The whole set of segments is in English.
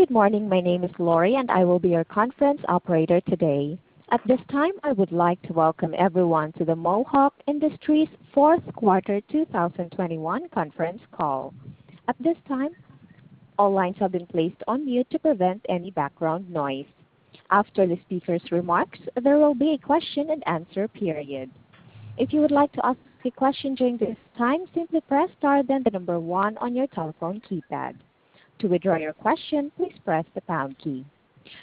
Good morning. My name is Lori, and I will be your conference operator today. At this time, I would like to welcome everyone to the Mohawk Industries Fourth Quarter 2021 conference call. At this time, all lines have been placed on mute to prevent any background noise. After the speakers' remarks, there will be a question and answer period. If you would like to ask a question during this time, simply press star then one on your telephone keypad. To withdraw your question, please press the pound key.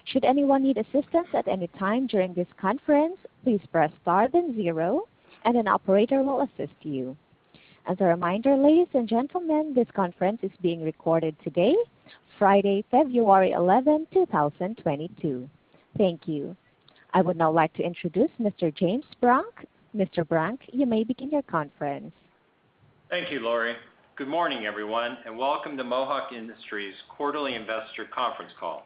Should anyone need assistance at any time during this conference, please press star then 0, and an operator will assist you. As a reminder, ladies and gentlemen, this conference is being recorded today, Friday, February 11, 2022. Thank you. I would now like to introduce Mr. James Brunk. Mr. Brunk, you may begin your conference. Thank you, Lori. Good morning, everyone, and welcome to Mohawk Industries quarterly investor conference call.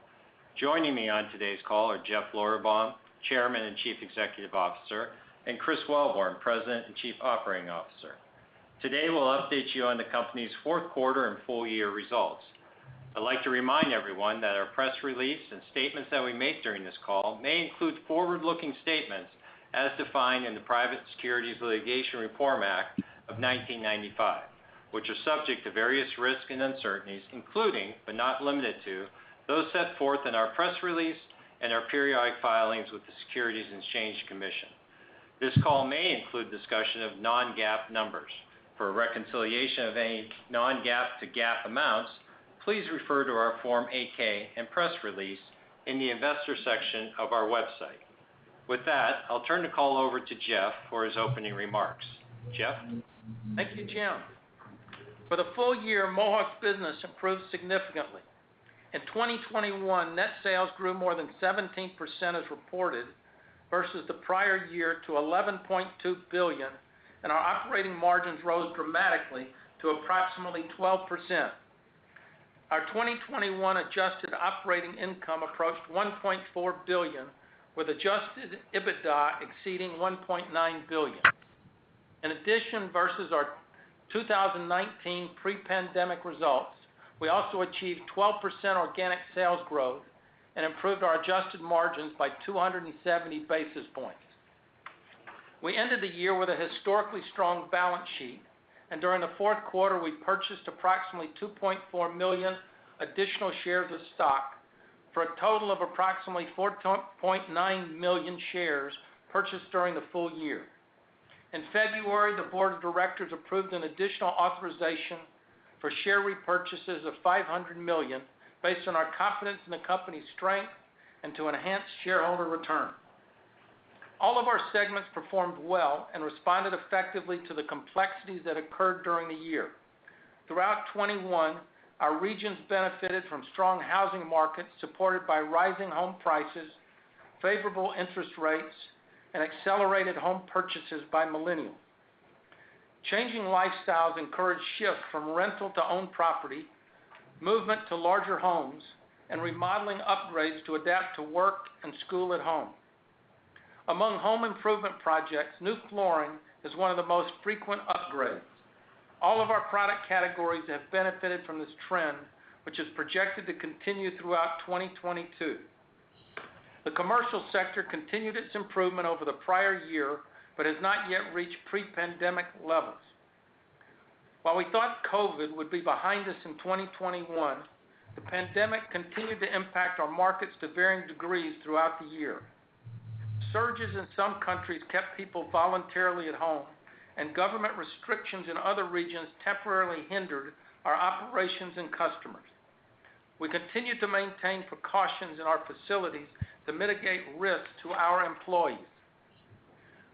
Joining me on today's call are Jeffrey Lorberbaum, Chairman and Chief Executive Officer, and Chris Wellborn, President and Chief Operating Officer. Today, we'll update you on the company's fourth quarter and full year results. I'd like to remind everyone that our press release and statements that we make during this call may include forward-looking statements as defined in the Private Securities Litigation Reform Act of 1995, which are subject to various risks and uncertainties, including, but not limited to, those set forth in our press release and our periodic filings with the Securities and Exchange Commission. This call may include discussion of non-GAAP numbers. For a reconciliation of any non-GAAP to GAAP amounts, please refer to our form 8-K and press release in the investor section of our website. With that, I'll turn the call over to Jeff for his opening remarks. Jeff? Thank you, James. For the full year, Mohawk's business improved significantly. In 2021, net sales grew more than 17% as reported versus the prior year to $11.2 billion, and our operating margins rose dramatically to approximately 12%. Our 2021 adjusted operating income approached $1.4 billion with Adjusted EBITDA exceeding $1.9 billion. In addition, versus our 2019 pre-pandemic results, we also achieved 12% organic sales growth and improved our adjusted margins by 270 basis points. We ended the year with a historically strong balance sheet, and during the fourth quarter we purchased approximately 2.4 million additional shares of stock for a total of approximately 4.9 million shares purchased during the full year. In February, the board of directors approved an additional authorization for share repurchases of $500 million based on our confidence in the company's strength and to enhance shareholder return. All of our segments performed well and responded effectively to the complexities that occurred during the year. Throughout 2021, our regions benefited from strong housing markets supported by rising home prices, favorable interest rates, and accelerated home purchases by millennials. Changing lifestyles encouraged shifts from rental to owned property, movement to larger homes, and remodeling upgrades to adapt to work and school at home. Among home improvement projects, new flooring is one of the most frequent upgrades. All of our product categories have benefited from this trend, which is projected to continue throughout 2022. The commercial sector continued its improvement over the prior year but has not yet reached pre-pandemic levels. While we thought COVID would be behind us in 2021, the pandemic continued to impact our markets to varying degrees throughout the year. Surges in some countries kept people voluntarily at home, and government restrictions in other regions temporarily hindered our operations and customers. We continued to maintain precautions in our facilities to mitigate risks to our employees.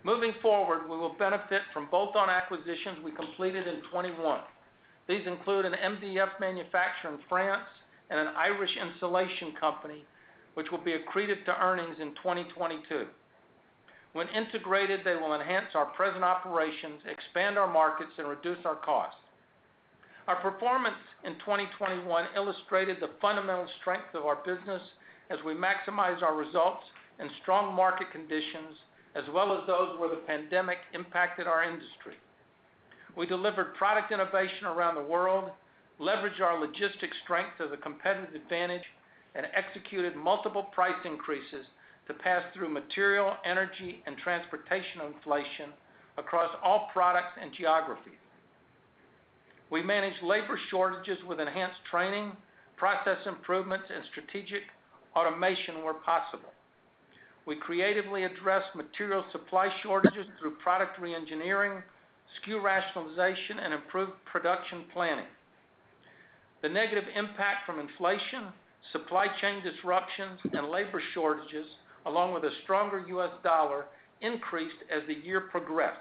Moving forward, we will benefit from bolt-on acquisitions we completed in 2021. These include an MDF manufacturer in France and an Irish insulation company, which will be accreted to earnings in 2022. When integrated, they will enhance our present operations, expand our markets, and reduce our costs. Our performance in 2021 illustrated the fundamental strength of our business as we maximize our results in strong market conditions as well as those where the pandemic impacted our industry. We delivered product innovation around the world, leveraged our logistics strength as a competitive advantage, and executed multiple price increases to pass through material, energy, and transportation inflation across all products and geographies. We managed labor shortages with enhanced training, process improvements, and strategic automation where possible. We creatively addressed material supply shortages through product reengineering, SKU rationalization, and improved production planning. The negative impact from inflation, supply chain disruptions, and labor shortages, along with a stronger U.S. dollar, increased as the year progressed.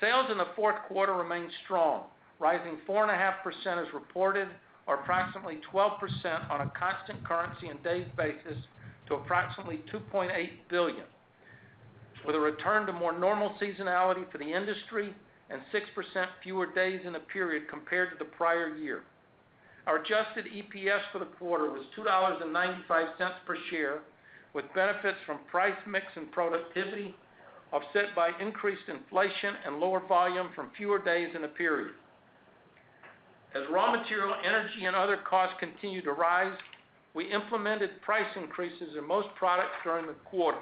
Sales in the fourth quarter remained strong, rising 4.5% as reported or approximately 12% on a constant currency and days basis to approximately $2.8 billion, with a return to more normal seasonality for the industry and 6% fewer days in the period compared to the prior year. Our adjusted EPS for the quarter was $2.95 per share, with benefits from price mix and productivity offset by increased inflation and lower volume from fewer days in the period. As raw material, energy, and other costs continued to rise, we implemented price increases in most products during the quarter.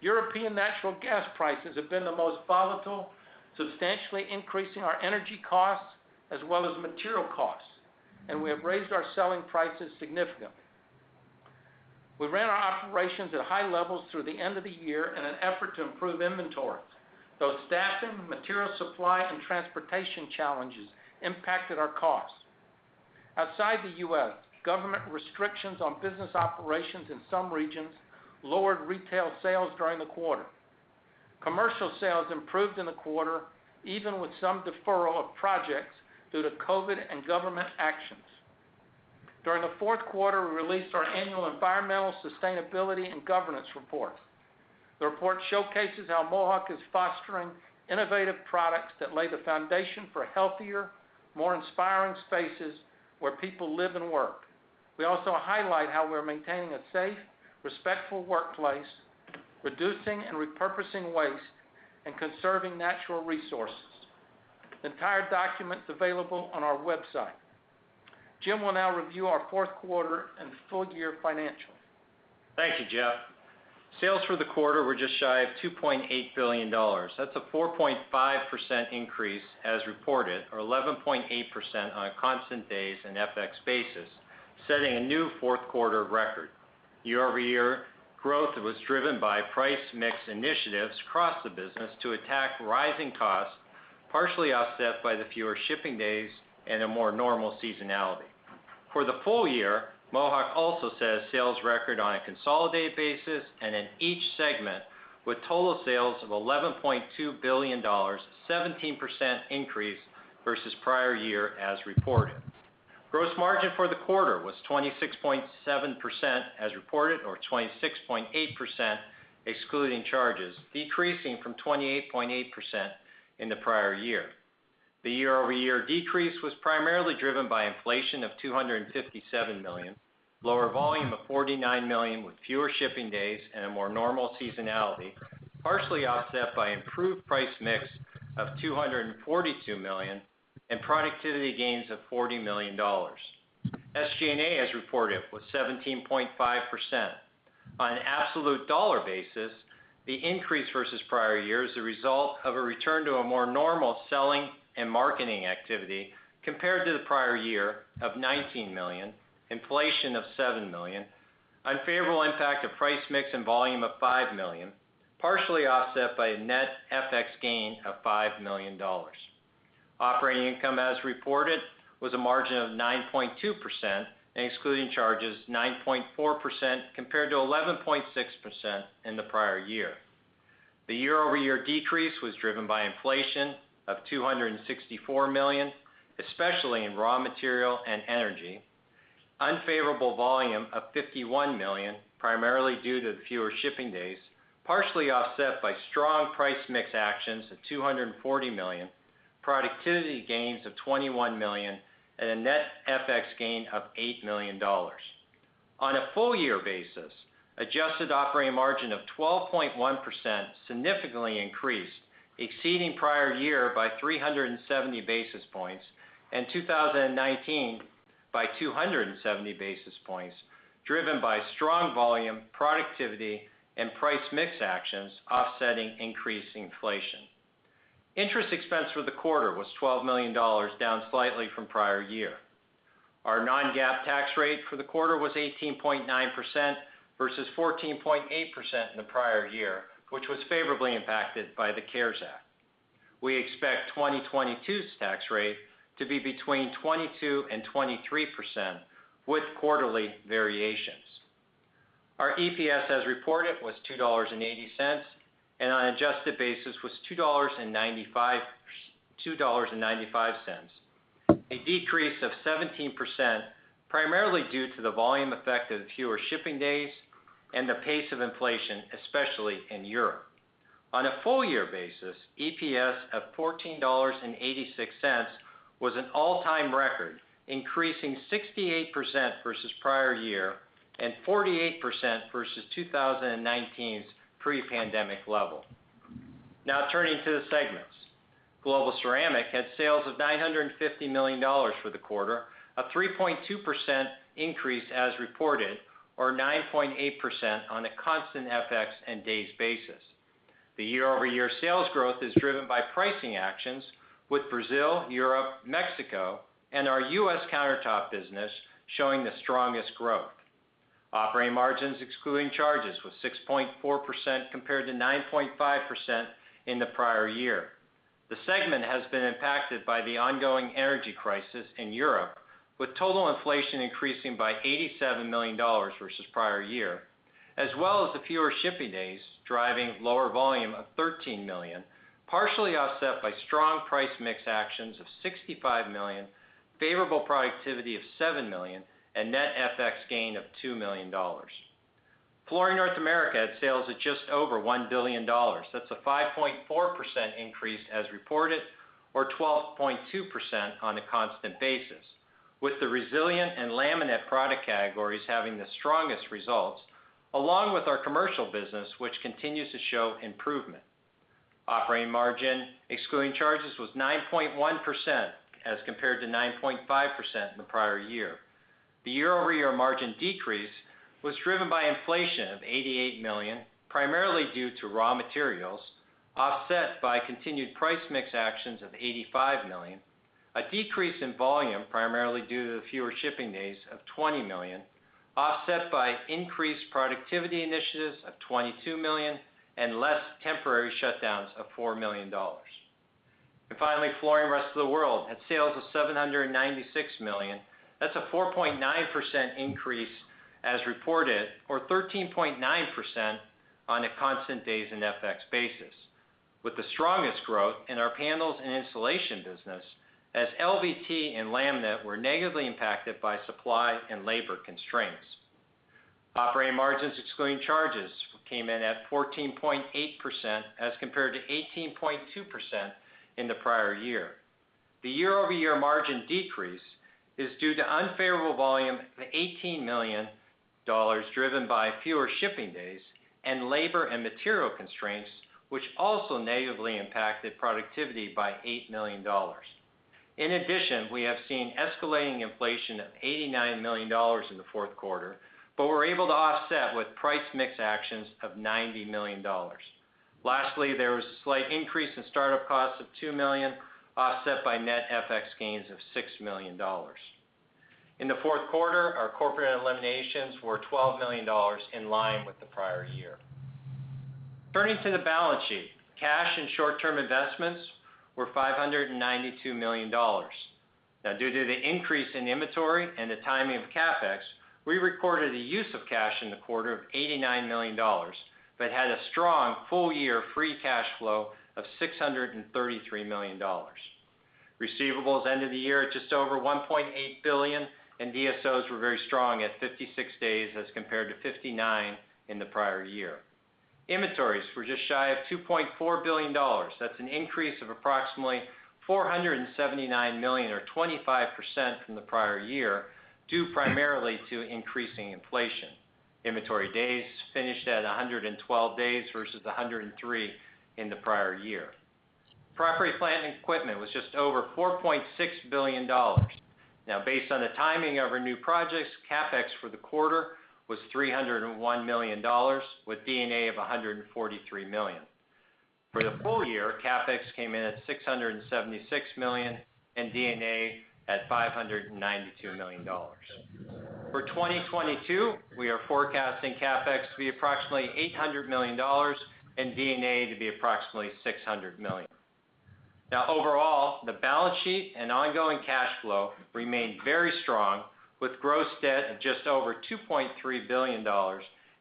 European natural gas prices have been the most volatile, substantially increasing our energy costs as well as material costs, and we have raised our selling prices significantly. We ran our operations at high levels through the end of the year in an effort to improve inventory, though staffing, material supply, and transportation challenges impacted our costs. Outside the U.S., government restrictions on business operations in some regions lowered retail sales during the quarter. Commercial sales improved in the quarter, even with some deferral of projects due to COVID and government actions. During the fourth quarter, we released our annual environmental sustainability and governance report. The report showcases how Mohawk is fostering innovative products that lay the foundation for healthier, more inspiring spaces where people live and work. We also highlight how we're maintaining a safe, respectful workplace, reducing and repurposing waste, and conserving natural resources. The entire document's available on our website. James will now review our fourth quarter and full year financials. Thank you, Jeff. Sales for the quarter were just shy of $2.8 billion. That's a 4.5% increase as reported, or 11.8% on a constant days and FX basis, setting a new fourth quarter record. Year-over-year growth was driven by price mix initiatives across the business to attack rising costs, partially offset by the fewer shipping days and a more normal seasonality. For the full year, Mohawk also set a sales record on a consolidated basis and in each segment, with total sales of $11.2 billion, 17% increase versus prior year as reported. Gross margin for the quarter was 26.7% as reported, or 26.8% excluding charges, decreasing from 28.8% in the prior year. The year-over-year decrease was primarily driven by inflation of $257 million, lower volume of $49 million with fewer shipping days and a more normal seasonality, partially offset by improved price mix of $242 million and productivity gains of $40 million. SG&A as reported was 17.5%. On an absolute dollar basis, the increase versus prior year is the result of a return to a more normal selling and marketing activity compared to the prior year of $19 million, inflation of $7 million, unfavorable impact of price mix and volume of $5 million, partially offset by a net FX gain of $5 million. Operating income as reported was a margin of 9.2%, and excluding charges, 9.4% compared to 11.6% in the prior year. The year-over-year decrease was driven by inflation of $264 million, especially in raw material and energy, unfavorable volume of $51 million, primarily due to the fewer shipping days, partially offset by strong price mix actions of $240 million, productivity gains of $21 million, and a net FX gain of $8 million. On a full year basis, adjusted operating margin of 12.1% significantly increased, exceeding prior year by 370 basis points, and 2019 by 270 basis points, driven by strong volume, productivity, and price mix actions offsetting increased inflation. Interest expense for the quarter was $12 million, down slightly from prior year. Our non-GAAP tax rate for the quarter was 18.9% versus 14.8% in the prior year, which was favorably impacted by the CARES Act. We expect 2022's tax rate to be between 22%-23% with quarterly variations. Our EPS as reported was $2.80, and on an adjusted basis was $2.95, a decrease of 17%, primarily due to the volume effect of fewer shipping days and the pace of inflation, especially in Europe. On a full year basis, EPS of $14.86 was an all-time record, increasing 68% versus prior year and 48% versus 2019's pre-pandemic level. Now turning to the segments. Global Ceramic had sales of $950 million for the quarter, a 3.2% increase as reported, or 9.8% on a constant FX and days basis. The year-over-year sales growth is driven by pricing actions with Brazil, Europe, Mexico, and our U.S. countertop business showing the strongest growth. Operating margins excluding charges was 6.4% compared to 9.5% in the prior year. The segment has been impacted by the ongoing energy crisis in Europe, with total inflation increasing by $87 million versus prior year, as well as the fewer shipping days driving lower volume of $13 million, partially offset by strong price mix actions of $65 million, favorable productivity of $7 million, and net FX gain of $2 million. Flooring North America had sales at just over $1 billion. That's a 5.4% increase as reported, or 12.2% on a constant basis. With the resilient and laminate product categories having the strongest results, along with our commercial business, which continues to show improvement. Operating margin, excluding charges, was 9.1% as compared to 9.5% in the prior year. The year-over-year margin decrease was driven by inflation of $88 million, primarily due to raw materials, offset by continued price mix actions of $85 million, a decrease in volume, primarily due to the fewer shipping days of $20 million, offset by increased productivity initiatives of $22 million, and less temporary shutdowns of $4 million. Finally, Flooring Rest of the World had sales of $796 million. That's a 4.9% increase as reported, or 13.9% on a constant days and FX basis, with the strongest growth in our panels and insulation business as LVT and laminate were negatively impacted by supply and labor constraints. Operating margins, excluding charges, came in at 14.8% as compared to 18.2% in the prior year. The year-over-year margin decrease is due to unfavorable volume of $18 million, driven by fewer shipping days and labor and material constraints, which also negatively impacted productivity by $8 million. In addition, we have seen escalating inflation of $89 million in the fourth quarter, but we're able to offset with price mix actions of $90 million. Lastly, there was a slight increase in startup costs of $2 million, offset by net FX gains of $6 million. In the fourth quarter, our corporate eliminations were $12 million, in line with the prior year. Turning to the balance sheet. Cash and short-term investments were $592 million. Now, due to the increase in inventory and the timing of CapEx, we recorded a use of cash in the quarter of $89 million, but had a strong full-year free cash flow of $633 million. Receivables end of the year at just over $1.8 billion, and DSOs were very strong at 56 days as compared to 59 in the prior year. Inventories were just shy of $2.4 billion. That's an increase of approximately $479 million or 25% from the prior year, due primarily to increasing inflation. Inventory days finished at 112 days versus 103 in the prior year. Property plant and equipment was just over $4.6 billion. Based on the timing of our new projects, CapEx for the quarter was $301 million with D&A of $143 million. For the full year, CapEx came in at $676 million and D&A at $592 million. For 2022, we are forecasting CapEx to be approximately $800 million and D&A to be approximately $600 million. Overall, the balance sheet and ongoing cash flow remained very strong with gross debt of just over $2.3 billion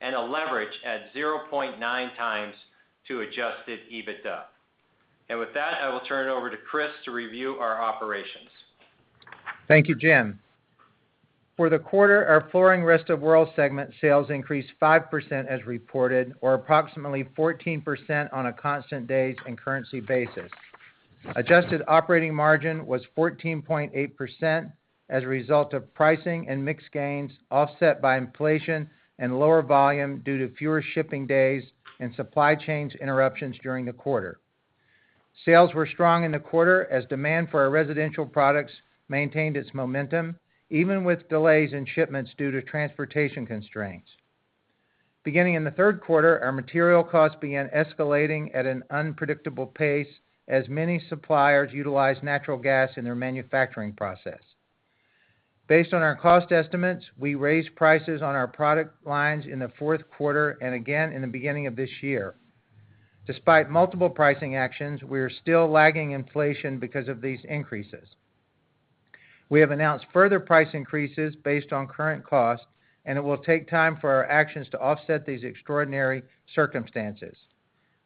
and a leverage at 0.9x Adjusted EBITDA. With that, I will turn it over to Chris to review our operations. Thank you, James. For the quarter, our Flooring Rest of the World segment sales increased 5% as reported, or approximately 14% on a constant days and currency basis. Adjusted operating margin was 14.8% as a result of pricing and mix gains offset by inflation and lower volume due to fewer shipping days and supply chain interruptions during the quarter. Sales were strong in the quarter as demand for our residential products maintained its momentum, even with delays in shipments due to transportation constraints. Beginning in the third quarter, our material costs began escalating at an unpredictable pace as many suppliers utilized natural gas in their manufacturing process. Based on our cost estimates, we raised prices on our product lines in the fourth quarter and again in the beginning of this year. Despite multiple pricing actions, we are still lagging inflation because of these increases. We have announced further price increases based on current costs, and it will take time for our actions to offset these extraordinary circumstances.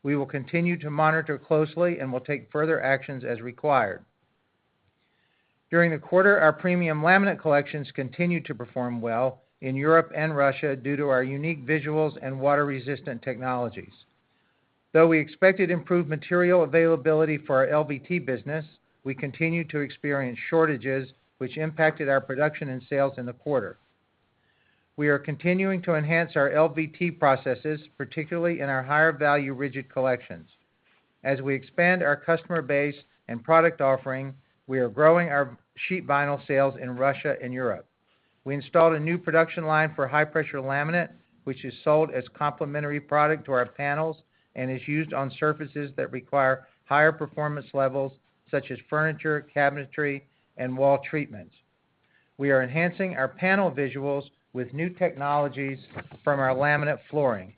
We will continue to monitor closely and will take further actions as required. During the quarter, our premium laminate collections continued to perform well in Europe and Russia due to our unique visuals and water-resistant technologies. Though we expected improved material availability for our LVT business, we continued to experience shortages which impacted our production and sales in the quarter. We are continuing to enhance our LVT processes, particularly in our higher value rigid collections. As we expand our customer base and product offering, we are growing our sheet vinyl sales in Russia and Europe. We installed a new production line for high-pressure laminate, which is sold as complementary product to our panels and is used on surfaces that require higher performance levels such as furniture, cabinetry, and wall treatments. We are enhancing our panel visuals with new technologies from our laminate flooring.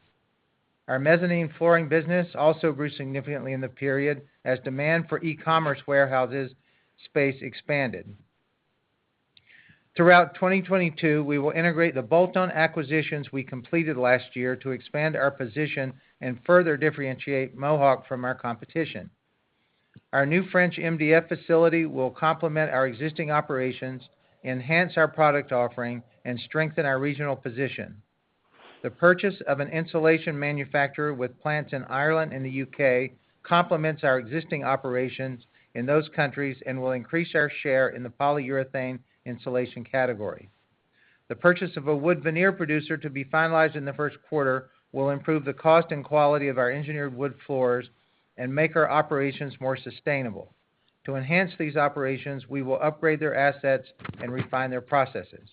Our mezzanine flooring business also grew significantly in the period as demand for e-commerce warehouses space expanded. Throughout 2022, we will integrate the bolt-on acquisitions we completed last year to expand our position and further differentiate Mohawk from our competition. Our new French MDF facility will complement our existing operations, enhance our product offering, and strengthen our regional position. The purchase of an insulation manufacturer with plants in Ireland and the U.K. complements our existing operations in those countries and will increase our share in the polyurethane insulation category. The purchase of a wood veneer producer to be finalized in the first quarter will improve the cost and quality of our engineered wood floors and make our operations more sustainable. To enhance these operations, we will upgrade their assets and refine their processes.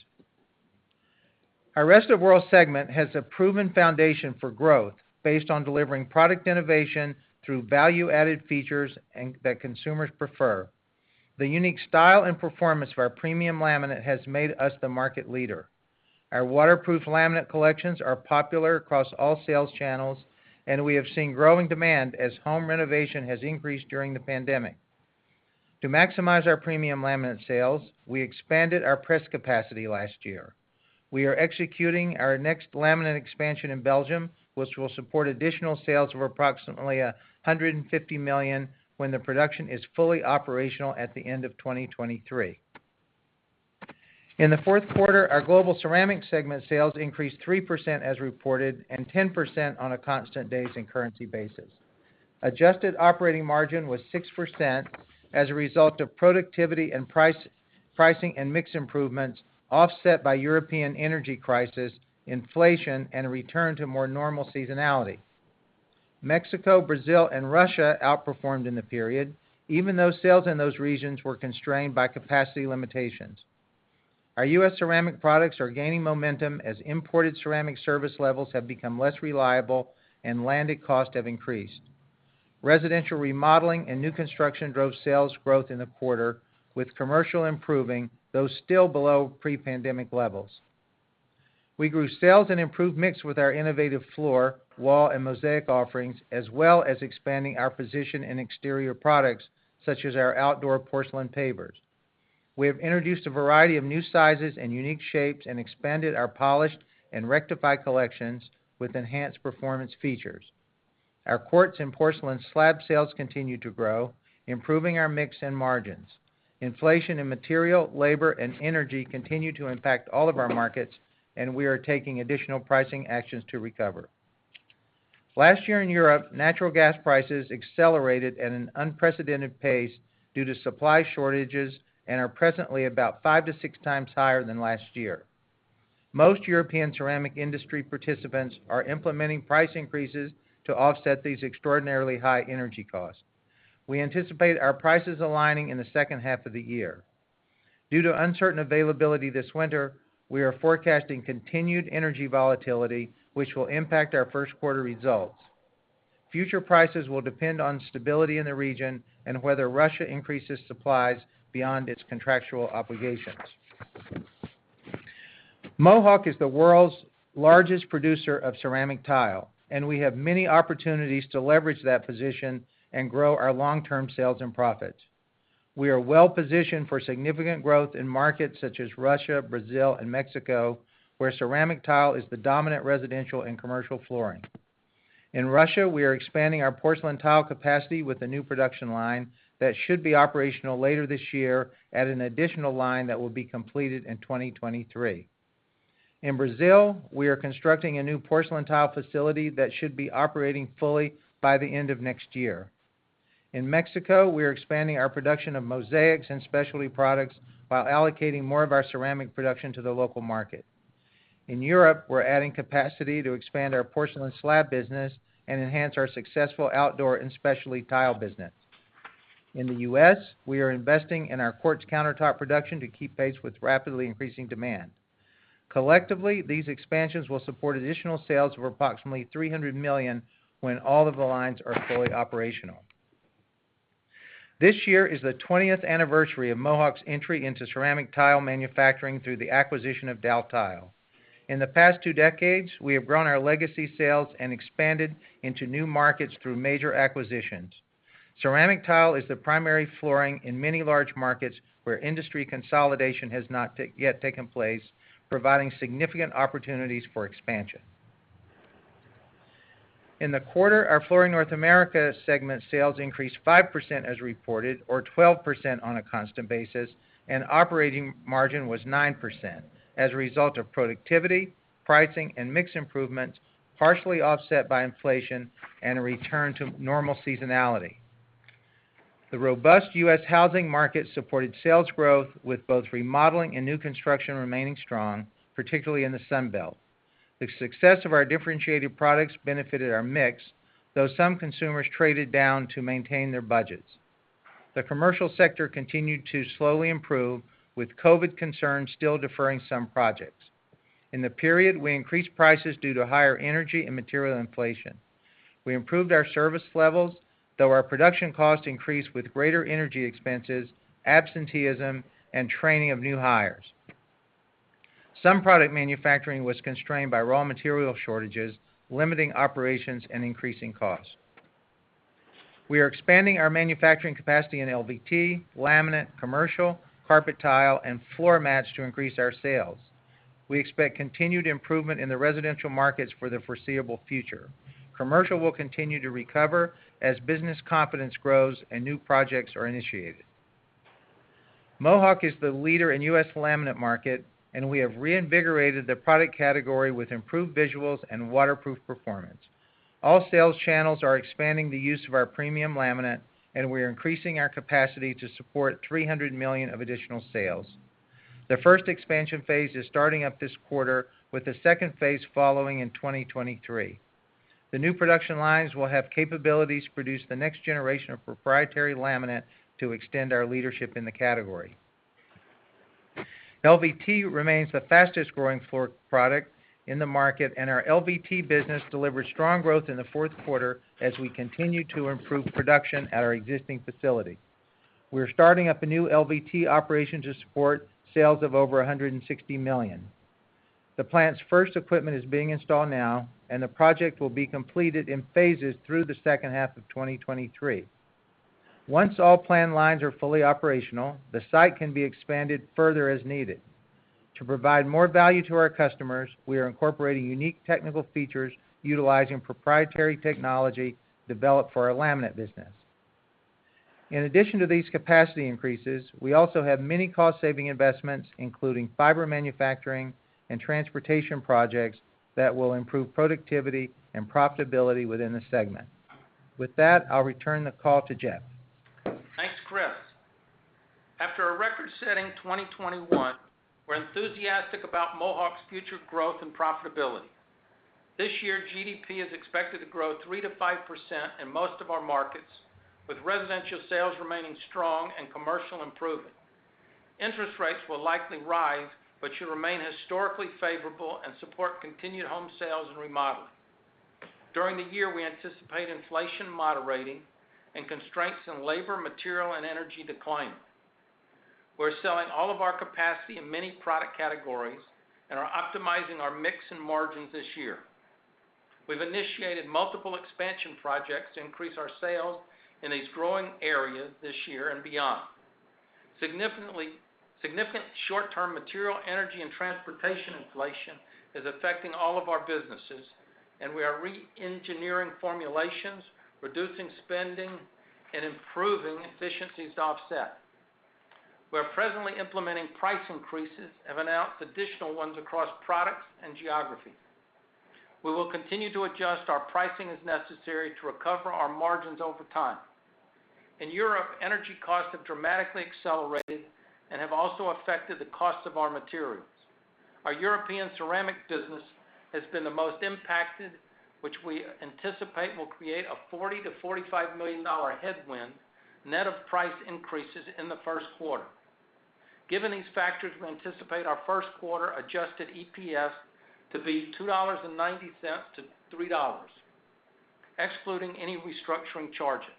Our Rest of World segment has a proven foundation for growth based on delivering product innovation through value-added features that consumers prefer. The unique style and performance of our premium laminate has made us the market leader. Our waterproof laminate collections are popular across all sales channels, and we have seen growing demand as home renovation has increased during the pandemic. To maximize our premium laminate sales, we expanded our press capacity last year. We are executing our next laminate expansion in Belgium, which will support additional sales of approximately $150 million when the production is fully operational at the end of 2023. In the fourth quarter, our Global Ceramic segment sales increased 3% as reported and 10% on a constant days and currency basis. Adjusted operating margin was 6% as a result of productivity and pricing and mix improvements, offset by European energy crisis, inflation, and a return to more normal seasonality. Mexico, Brazil, and Russia outperformed in the period, even though sales in those regions were constrained by capacity limitations. Our U.S. ceramic products are gaining momentum as imported ceramic service levels have become less reliable and landed costs have increased. Residential remodeling and new construction drove sales growth in the quarter, with commercial improving, though still below pre-pandemic levels. We grew sales and improved mix with our innovative floor, wall, and mosaic offerings, as well as expanding our position in exterior products, such as our outdoor porcelain pavers. We have introduced a variety of new sizes and unique shapes and expanded our polished and rectified collections with enhanced performance features. Our quartz and porcelain slab sales continue to grow, improving our mix and margins. Inflation in material, labor, and energy continue to impact all of our markets, and we are taking additional pricing actions to recover. Last year in Europe, natural gas prices accelerated at an unprecedented pace due to supply shortages and are presently about five to six times higher than last year. Most European ceramic industry participants are implementing price increases to offset these extraordinarily high energy costs. We anticipate our prices aligning in the second half of the year. Due to uncertain availability this winter, we are forecasting continued energy volatility, which will impact our first quarter results. Future prices will depend on stability in the region and whether Russia increases supplies beyond its contractual obligations. Mohawk is the world's largest producer of ceramic tile, and we have many opportunities to leverage that position and grow our long-term sales and profits. We are well-positioned for significant growth in markets such as Russia, Brazil, and Mexico, where ceramic tile is the dominant residential and commercial flooring. In Russia, we are expanding our porcelain tile capacity with a new production line that should be operational later this year and an additional line that will be completed in 2023. In Brazil, we are constructing a new porcelain tile facility that should be operating fully by the end of next year. In Mexico, we are expanding our production of mosaics and specialty products while allocating more of our ceramic production to the local market. In Europe, we're adding capacity to expand our porcelain slab business and enhance our successful outdoor and specialty tile business. In the U.S., we are investing in our quartz countertop production to keep pace with rapidly increasing demand. Collectively, these expansions will support additional sales of approximately $300 million when all of the lines are fully operational. This year is the 20th anniversary of Mohawk's entry into ceramic tile manufacturing through the acquisition of Daltile. In the past two decades, we have grown our legacy sales and expanded into new markets through major acquisitions. Ceramic tile is the primary flooring in many large markets where industry consolidation has not yet taken place, providing significant opportunities for expansion. In the quarter, our Flooring North America segment sales increased 5% as reported or 12% on a constant basis, and operating margin was 9% as a result of productivity, pricing, and mix improvements, partially offset by inflation and a return to normal seasonality. The robust U.S. housing market supported sales growth with both remodeling and new construction remaining strong, particularly in the Sun Belt. The success of our differentiated products benefited our mix, though some consumers traded down to maintain their budgets. The commercial sector continued to slowly improve, with COVID concerns still deferring some projects. In the period, we increased prices due to higher energy and material inflation. We improved our service levels, though our production costs increased with greater energy expenses, absenteeism, and training of new hires. Some product manufacturing was constrained by raw material shortages, limiting operations and increasing costs. We are expanding our manufacturing capacity in LVT, laminate, commercial, carpet tile, and floor mats to increase our sales. We expect continued improvement in the residential markets for the foreseeable future. Commercial will continue to recover as business confidence grows and new projects are initiated. Mohawk is the leader in U.S. laminate market, and we have reinvigorated the product category with improved visuals and waterproof performance. All sales channels are expanding the use of our premium laminate, and we are increasing our capacity to support $300 million of additional sales. The first expansion phase is starting up this quarter, with the second phase following in 2023. The new production lines will have capabilities to produce the next generation of proprietary laminate to extend our leadership in the category. LVT remains the fastest-growing floor product in the market, and our LVT business delivered strong growth in the fourth quarter as we continue to improve production at our existing facility. We are starting up a new LVT operation to support sales of over $160 million. The plant's first equipment is being installed now, and the project will be completed in phases through the second half of 2023. Once all planned lines are fully operational, the site can be expanded further as needed. To provide more value to our customers, we are incorporating unique technical features utilizing proprietary technology developed for our laminate business. In addition to these capacity increases, we also have many cost-saving investments, including fiber manufacturing and transportation projects that will improve productivity and profitability within the segment. With that, I'll return the call to Jeff. Thanks, Chris. After a record-setting 2021, we're enthusiastic about Mohawk's future growth and profitability. This year, GDP is expected to grow 3%-5% in most of our markets, with residential sales remaining strong and commercial improvement. Interest rates will likely rise but should remain historically favorable and support continued home sales and remodeling. During the year, we anticipate inflation moderating and constraints in labor, material, and energy decline. We're selling all of our capacity in many product categories and are optimizing our mix and margins this year. We've initiated multiple expansion projects to increase our sales in these growing areas this year and beyond. Significant short-term material, energy, and transportation inflation is affecting all of our businesses, and we are re-engineering formulations, reducing spending, and improving efficiencies to offset. We are presently implementing price increases and have announced additional ones across products and geographies. We will continue to adjust our pricing as necessary to recover our margins over time. In Europe, energy costs have dramatically accelerated and have also affected the cost of our materials. Our European ceramic business has been the most impacted, which we anticipate will create a $40 million-$45 million headwind, net of price increases in the first quarter. Given these factors, we anticipate our first quarter adjusted EPS to be $2.90-$3.00, excluding any restructuring charges.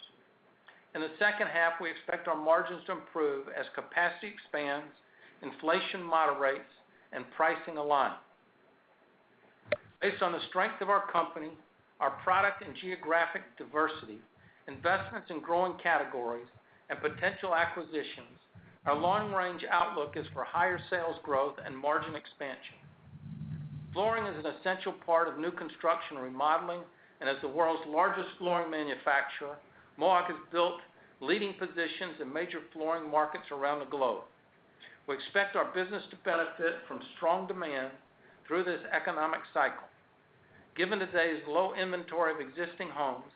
In the second half, we expect our margins to improve as capacity expands, inflation moderates, and pricing aligns. Based on the strength of our company, our product and geographic diversity, investments in growing categories, and potential acquisitions, our long-range outlook is for higher sales growth and margin expansion. Flooring is an essential part of new construction remodeling, and as the world's largest flooring manufacturer, Mohawk has built leading positions in major flooring markets around the globe. We expect our business to benefit from strong demand through this economic cycle. Given today's low inventory of existing homes,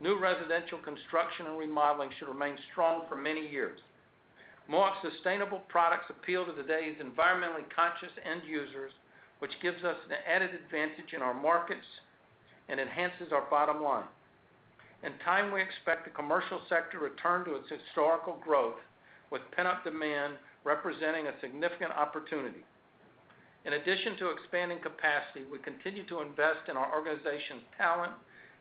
new residential construction and remodeling should remain strong for many years. Mohawk sustainable products appeal to today's environmentally conscious end users, which gives us an added advantage in our markets and enhances our bottom line. In time, we expect the commercial sector to return to its historical growth, with pent-up demand representing a significant opportunity. In addition to expanding capacity, we continue to invest in our organization's talent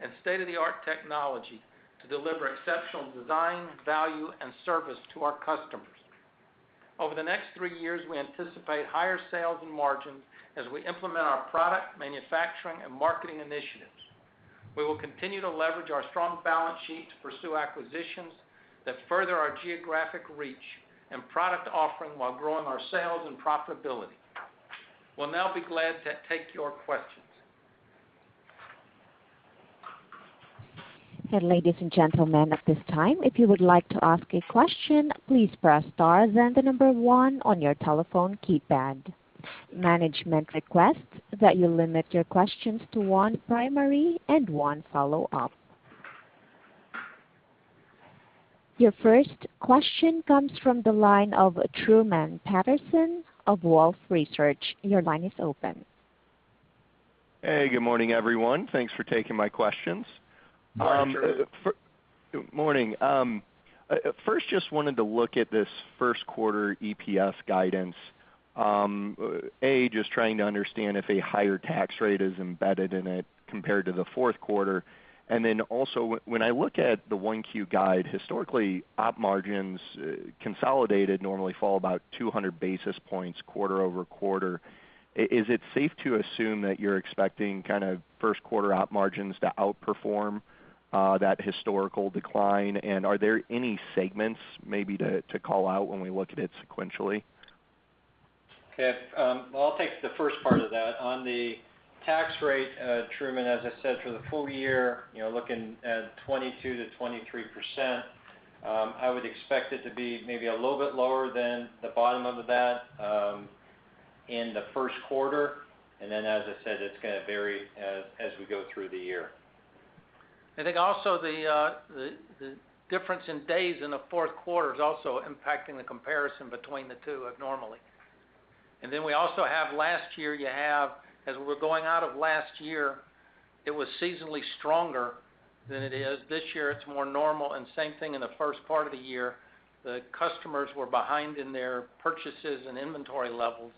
and state-of-the-art technology to deliver exceptional design, value, and service to our customers. Over the next three years, we anticipate higher sales and margins as we implement our product, manufacturing, and marketing initiatives. We will continue to leverage our strong balance sheet to pursue acquisitions that further our geographic reach and product offering while growing our sales and profitability. We'll now be glad to take your questions. Ladies and gentlemen, at this time, if you would like to ask a question, please press star then the number 1 on your telephone keypad. Management requests that you limit your questions to one primary and one follow-up. Your first question comes from the line of Truman Patterson of Wolfe Research. Your line is open. Hey, good morning, everyone. Thanks for taking my questions. Good morning, sir. Morning. First, just wanted to look at this first quarter EPS guidance. Yeah, just trying to understand if a higher tax rate is embedded in it compared to the fourth quarter. Then also, when I look at the 1Q guide, historically, op margins, consolidated normally fall about 200 basis points quarter-over-quarter. Is it safe to assume that you're expecting kind of first quarter op margins to outperform that historical decline? Are there any segments maybe to call out when we look at it sequentially? Okay. Well, I'll take the first part of that. On the tax rate, Truman, as I said, for the full year, you know, looking at 22%-23%, I would expect it to be maybe a little bit lower than the bottom of that, in the first quarter. As I said, it's gonna vary as we go through the year. I think also the difference in days in the fourth quarter is also impacting the comparison between the two abnormally. Then we also have last year, as we were going out of last year, it was seasonally stronger than it is. This year, it's more normal and same thing in the first part of the year. The customers were behind in their purchases and inventory levels,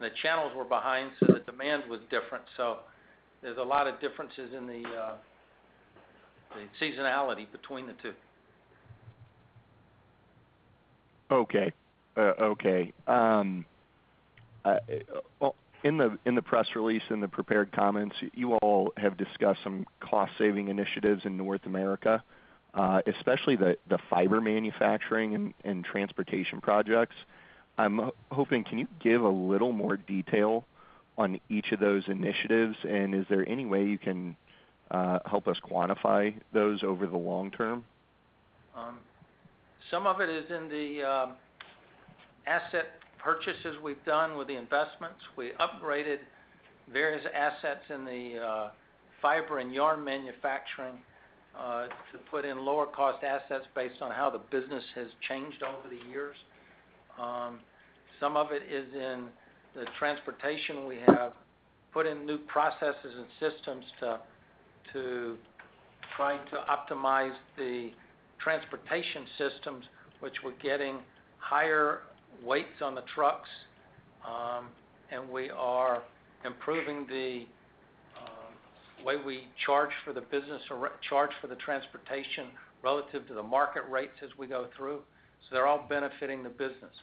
and the channels were behind, so the demand was different. There's a lot of differences in the seasonality between the two. Okay. Well, in the press release, in the prepared comments, you all have discussed some cost-saving initiatives in North America, especially the fiber manufacturing and transportation projects. I'm hoping, can you give a little more detail on each of those initiatives? And is there any way you can help us quantify those over the long term? Some of it is in the asset purchases we've done with the investments. We upgraded various assets in the fiber and yarn manufacturing to put in lower cost assets based on how the business has changed over the years. Some of it is in the transportation we have put in new processes and systems to try to optimize the transportation systems, which we're getting higher weights on the trucks, and we are improving the way we charge for the business or charge for the transportation relative to the market rates as we go through. They're all benefiting the business.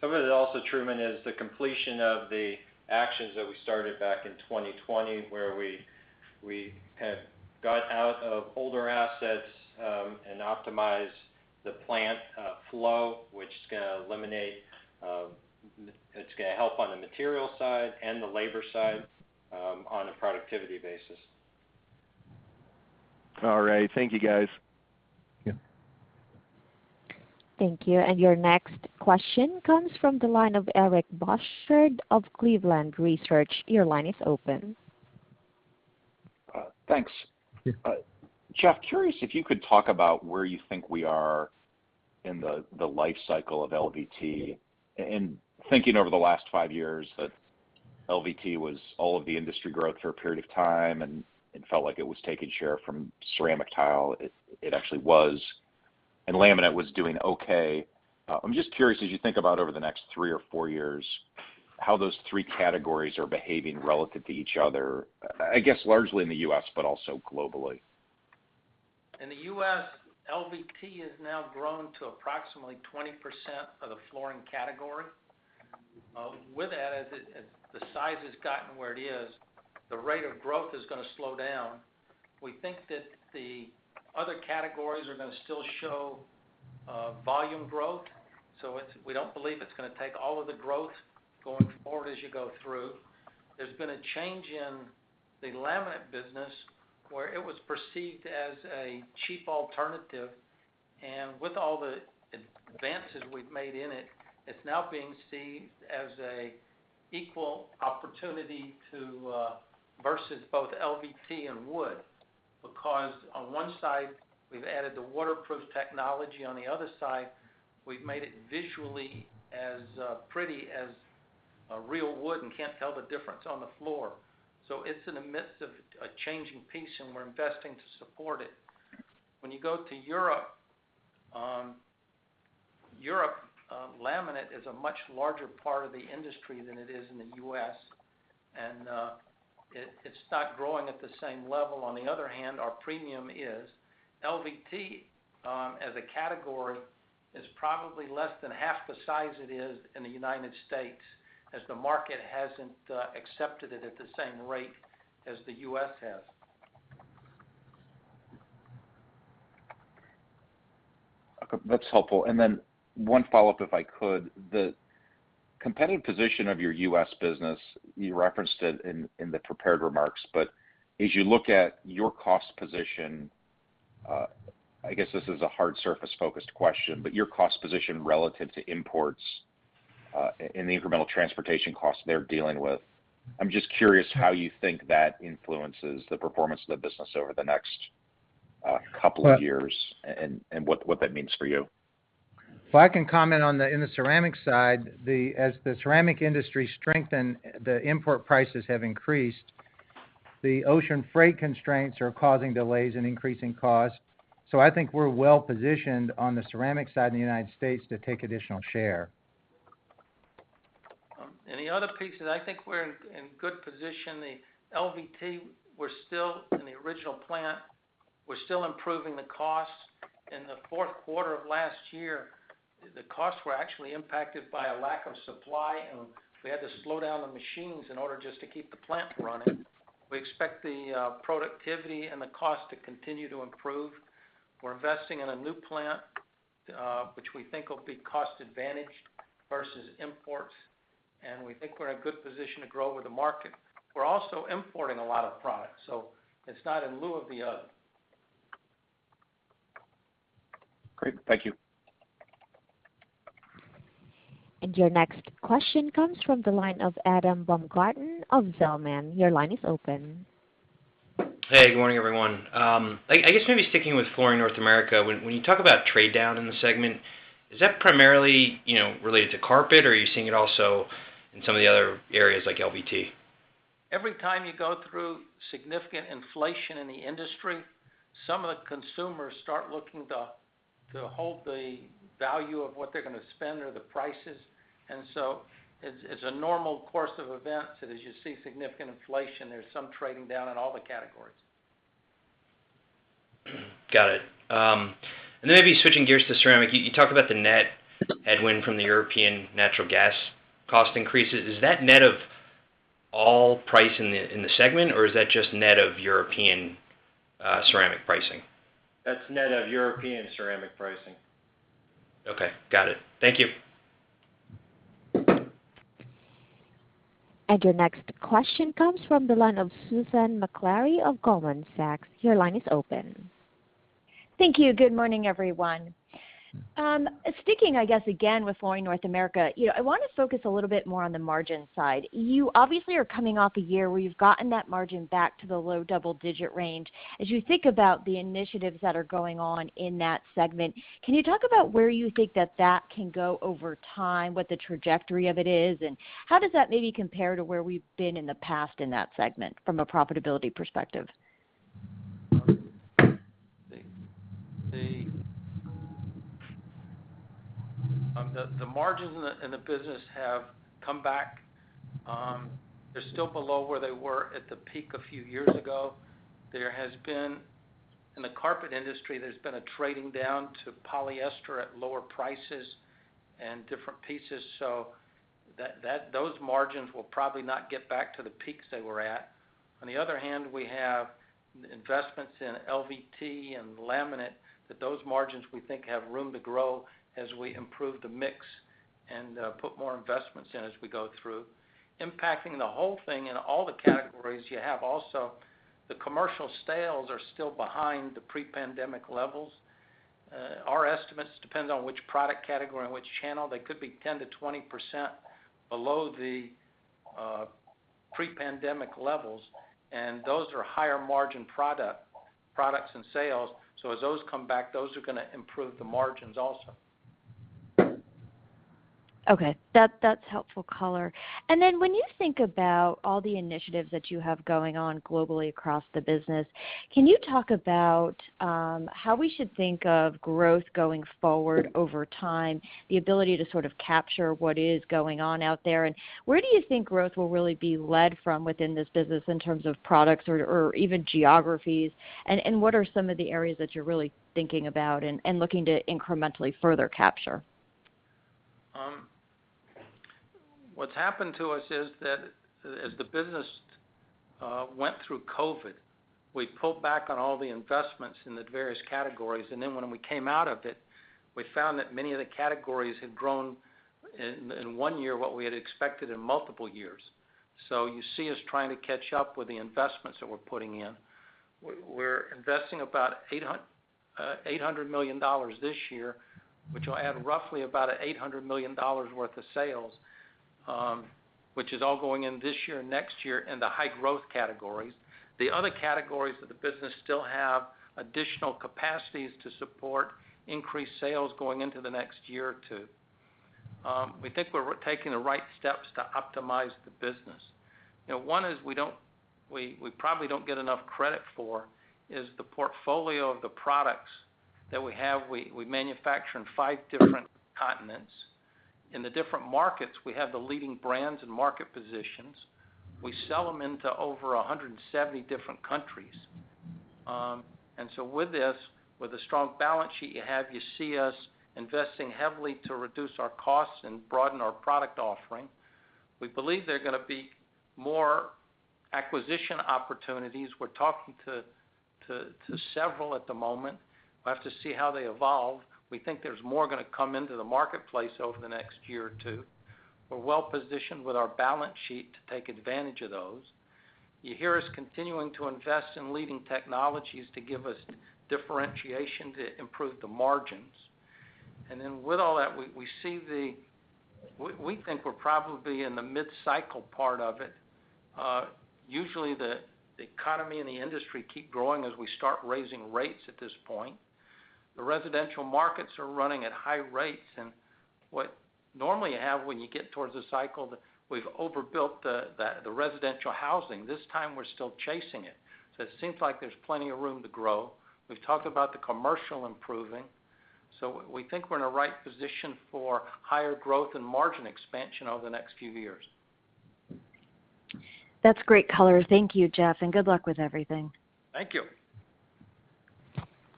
Some of it also, Truman, is the completion of the actions that we started back in 2020, where we have got out of older assets and optimized the plant flow, which is gonna eliminate, it's gonna help on the material side and the labor side on a productivity basis. All right. Thank you, guys. Yeah. Thank you. Your next question comes from the line of Eric Bosshard of Cleveland Research. Your line is open. Thanks. Yeah. Jeff, curious if you could talk about where you think we are in the life cycle of LVT. In thinking over the last five years that LVT was all of the industry growth for a period of time, and it felt like it was taking share from ceramic tile. It actually was, and laminate was doing okay. I'm just curious, as you think about over the next three or four years, how those three categories are behaving relative to each other, I guess, largely in the U.S., but also globally. In the U.S., LVT has now grown to approximately 20% of the flooring category. With that, as the size has gotten where it is, the rate of growth is gonna slow down. We think that the other categories are gonna still show volume growth, so we don't believe it's gonna take all of the growth going forward as you go through. There's been a change in the laminate business where it was perceived as a cheap alternative, and with all the advances we've made in it's now being seen as a equal opportunity to versus both LVT and wood. Because on one side, we've added the waterproof technology. On the other side, we've made it visually as pretty as real wood and can't tell the difference on the floor. It's in the midst of a changing piece, and we're investing to support it. When you go to Europe, laminate is a much larger part of the industry than it is in the U.S., and it's not growing at the same level. On the other hand, our premium LVT as a category is probably less than half the size it is in the United States, as the market hasn't accepted it at the same rate as the U.S. has. Okay. That's helpful. One follow-up, if I could. The competitive position of your U.S. business, you referenced it in the prepared remarks, but as you look at your cost position, I guess this is a hard surface-focused question, but your cost position relative to imports, and the incremental transportation costs they're dealing with, I'm just curious how you think that influences the performance of the business over the next couple of years and what that means for you. If I can comment on the ceramic side, as the ceramic industry strengthen, the import prices have increased. The ocean freight constraints are causing delays and increasing costs. I think we're well-positioned on the ceramic side in the United States to take additional share. The other pieces, I think we're in good position. The LVT, we're still in the original plant. We're still improving the costs. In the fourth quarter of last year, the costs were actually impacted by a lack of supply, and we had to slow down the machines in order just to keep the plant running. We expect the productivity and the cost to continue to improve. We're investing in a new plant, which we think will be cost-advantaged versus imports, and we think we're in a good position to grow with the market. We're also importing a lot of products, so it's not in lieu of the other. Great. Thank you. Your next question comes from the line of Adam Baumgarten of Zelman. Your line is open. Hey, good morning, everyone. I guess maybe sticking with Flooring North America. When you talk about trade down in the segment, is that primarily, you know, related to carpet or are you seeing it also in some of the other areas like LVT? Every time you go through significant inflation in the industry, some of the consumers start looking to hold the value of what they're gonna spend or the prices. It's a normal course of events that as you see significant inflation, there's some trading down in all the categories. Got it. Maybe switching gears to ceramic. You talk about the net headwind from the European natural gas cost increases. Is that net of all price in the segment, or is that just net of European ceramic pricing? That's net of European ceramic pricing. Okay. Got it. Thank you. Your next question comes from the line of Susan Maklari of Goldman Sachs. Your line is open. Thank you. Good morning, everyone. Sticking, I guess again with Flooring North America, you know, I wanna focus a little bit more on the margin side. You obviously are coming off a year where you've gotten that margin back to the low double-digit range. As you think about the initiatives that are going on in that segment, can you talk about where you think that can go over time, what the trajectory of it is, and how does that maybe compare to where we've been in the past in that segment from a profitability perspective? The margins in the business have come back. They're still below where they were at the peak a few years ago. In the carpet industry, there's been a trading down to polyester at lower prices and different pieces, so that those margins will probably not get back to the peaks they were at. On the other hand, we have investments in LVT and laminate that those margins we think have room to grow as we improve the mix and put more investments in as we go through. Impacting the whole thing in all the categories you have also, the commercial sales are still behind the pre-pandemic levels. Our estimates depends on which product category and which channel. They could be 10%-20% below the pre-pandemic levels, and those are higher margin products and sales. As those come back, those are gonna improve the margins also. Okay. That's helpful color. When you think about all the initiatives that you have going on globally across the business, can you talk about how we should think of growth going forward over time, the ability to sort of capture what is going on out there, and where do you think growth will really be led from within this business in terms of products or even geographies? What are some of the areas that you're really thinking about and looking to incrementally further capture? What's happened to us is that as the business went through COVID, we pulled back on all the investments in the various categories, and then when we came out of it, we found that many of the categories had grown in one year what we had expected in multiple years. You see us trying to catch up with the investments that we're putting in. We're investing about $800 million this year, which will add roughly about $800 million worth of sales, which is all going in this year and next year in the high growth categories. The other categories of the business still have additional capacities to support increased sales going into the next year or two. We think we're taking the right steps to optimize the business. You know, one is we don't get enough credit for is the portfolio of the products that we have. We manufacture in five different continents. In the different markets, we have the leading brands and market positions. We sell them into over 170 different countries. With this, with a strong balance sheet you have, you see us investing heavily to reduce our costs and broaden our product offering. We believe there are gonna be more acquisition opportunities. We're talking to several at the moment. We'll have to see how they evolve. We think there's more gonna come into the marketplace over the next year or two. We're well-positioned with our balance sheet to take advantage of those. You hear us continuing to invest in leading technologies to give us differentiation to improve the margins. With all that, we think we're probably in the mid-cycle part of it. Usually the economy and the industry keep growing as we start raising rates at this point. The residential markets are running at high rates, and what normally you have when you get toward the cycle, we've overbuilt the residential housing. This time we're still chasing it. It seems like there's plenty of room to grow. We've talked about the commercial improving, so we think we're in the right position for higher growth and margin expansion over the next few years. That's great color. Thank you, Jeff, and good luck with everything. Thank you.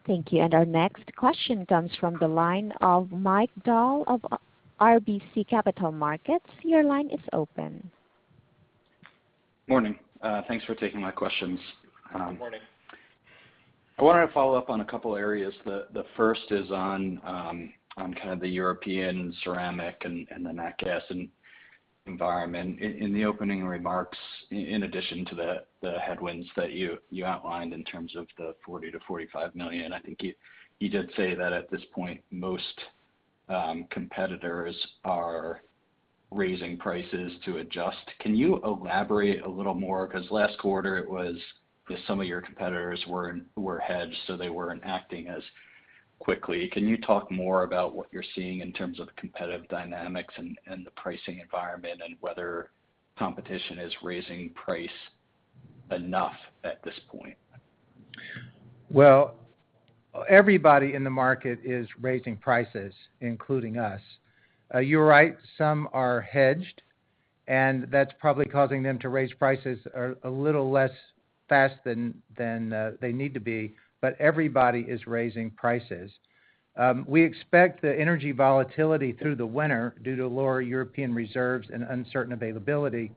Thank you. Our next question comes from the line of Mike Dahl of RBC Capital Markets. Your line is open. Morning. Thanks for taking my questions. Good morning. I wanted to follow up on a couple areas. The first is on kind of the European ceramic and the nat gas environment. In the opening remarks, in addition to the headwinds that you outlined in terms of the $40 million-$45 million, I think you did say that at this point, most competitors are raising prices to adjust. Can you elaborate a little more? 'Cause last quarter it was that some of your competitors were hedged, so they weren't acting as quickly. Can you talk more about what you're seeing in terms of the competitive dynamics and the pricing environment and whether competition is raising price enough at this point? Well, everybody in the market is raising prices, including us. You're right, some are hedged, and that's probably causing them to raise prices a little less fast than they need to be, but everybody is raising prices. We expect the energy volatility through the winter due to lower European reserves and uncertain availability.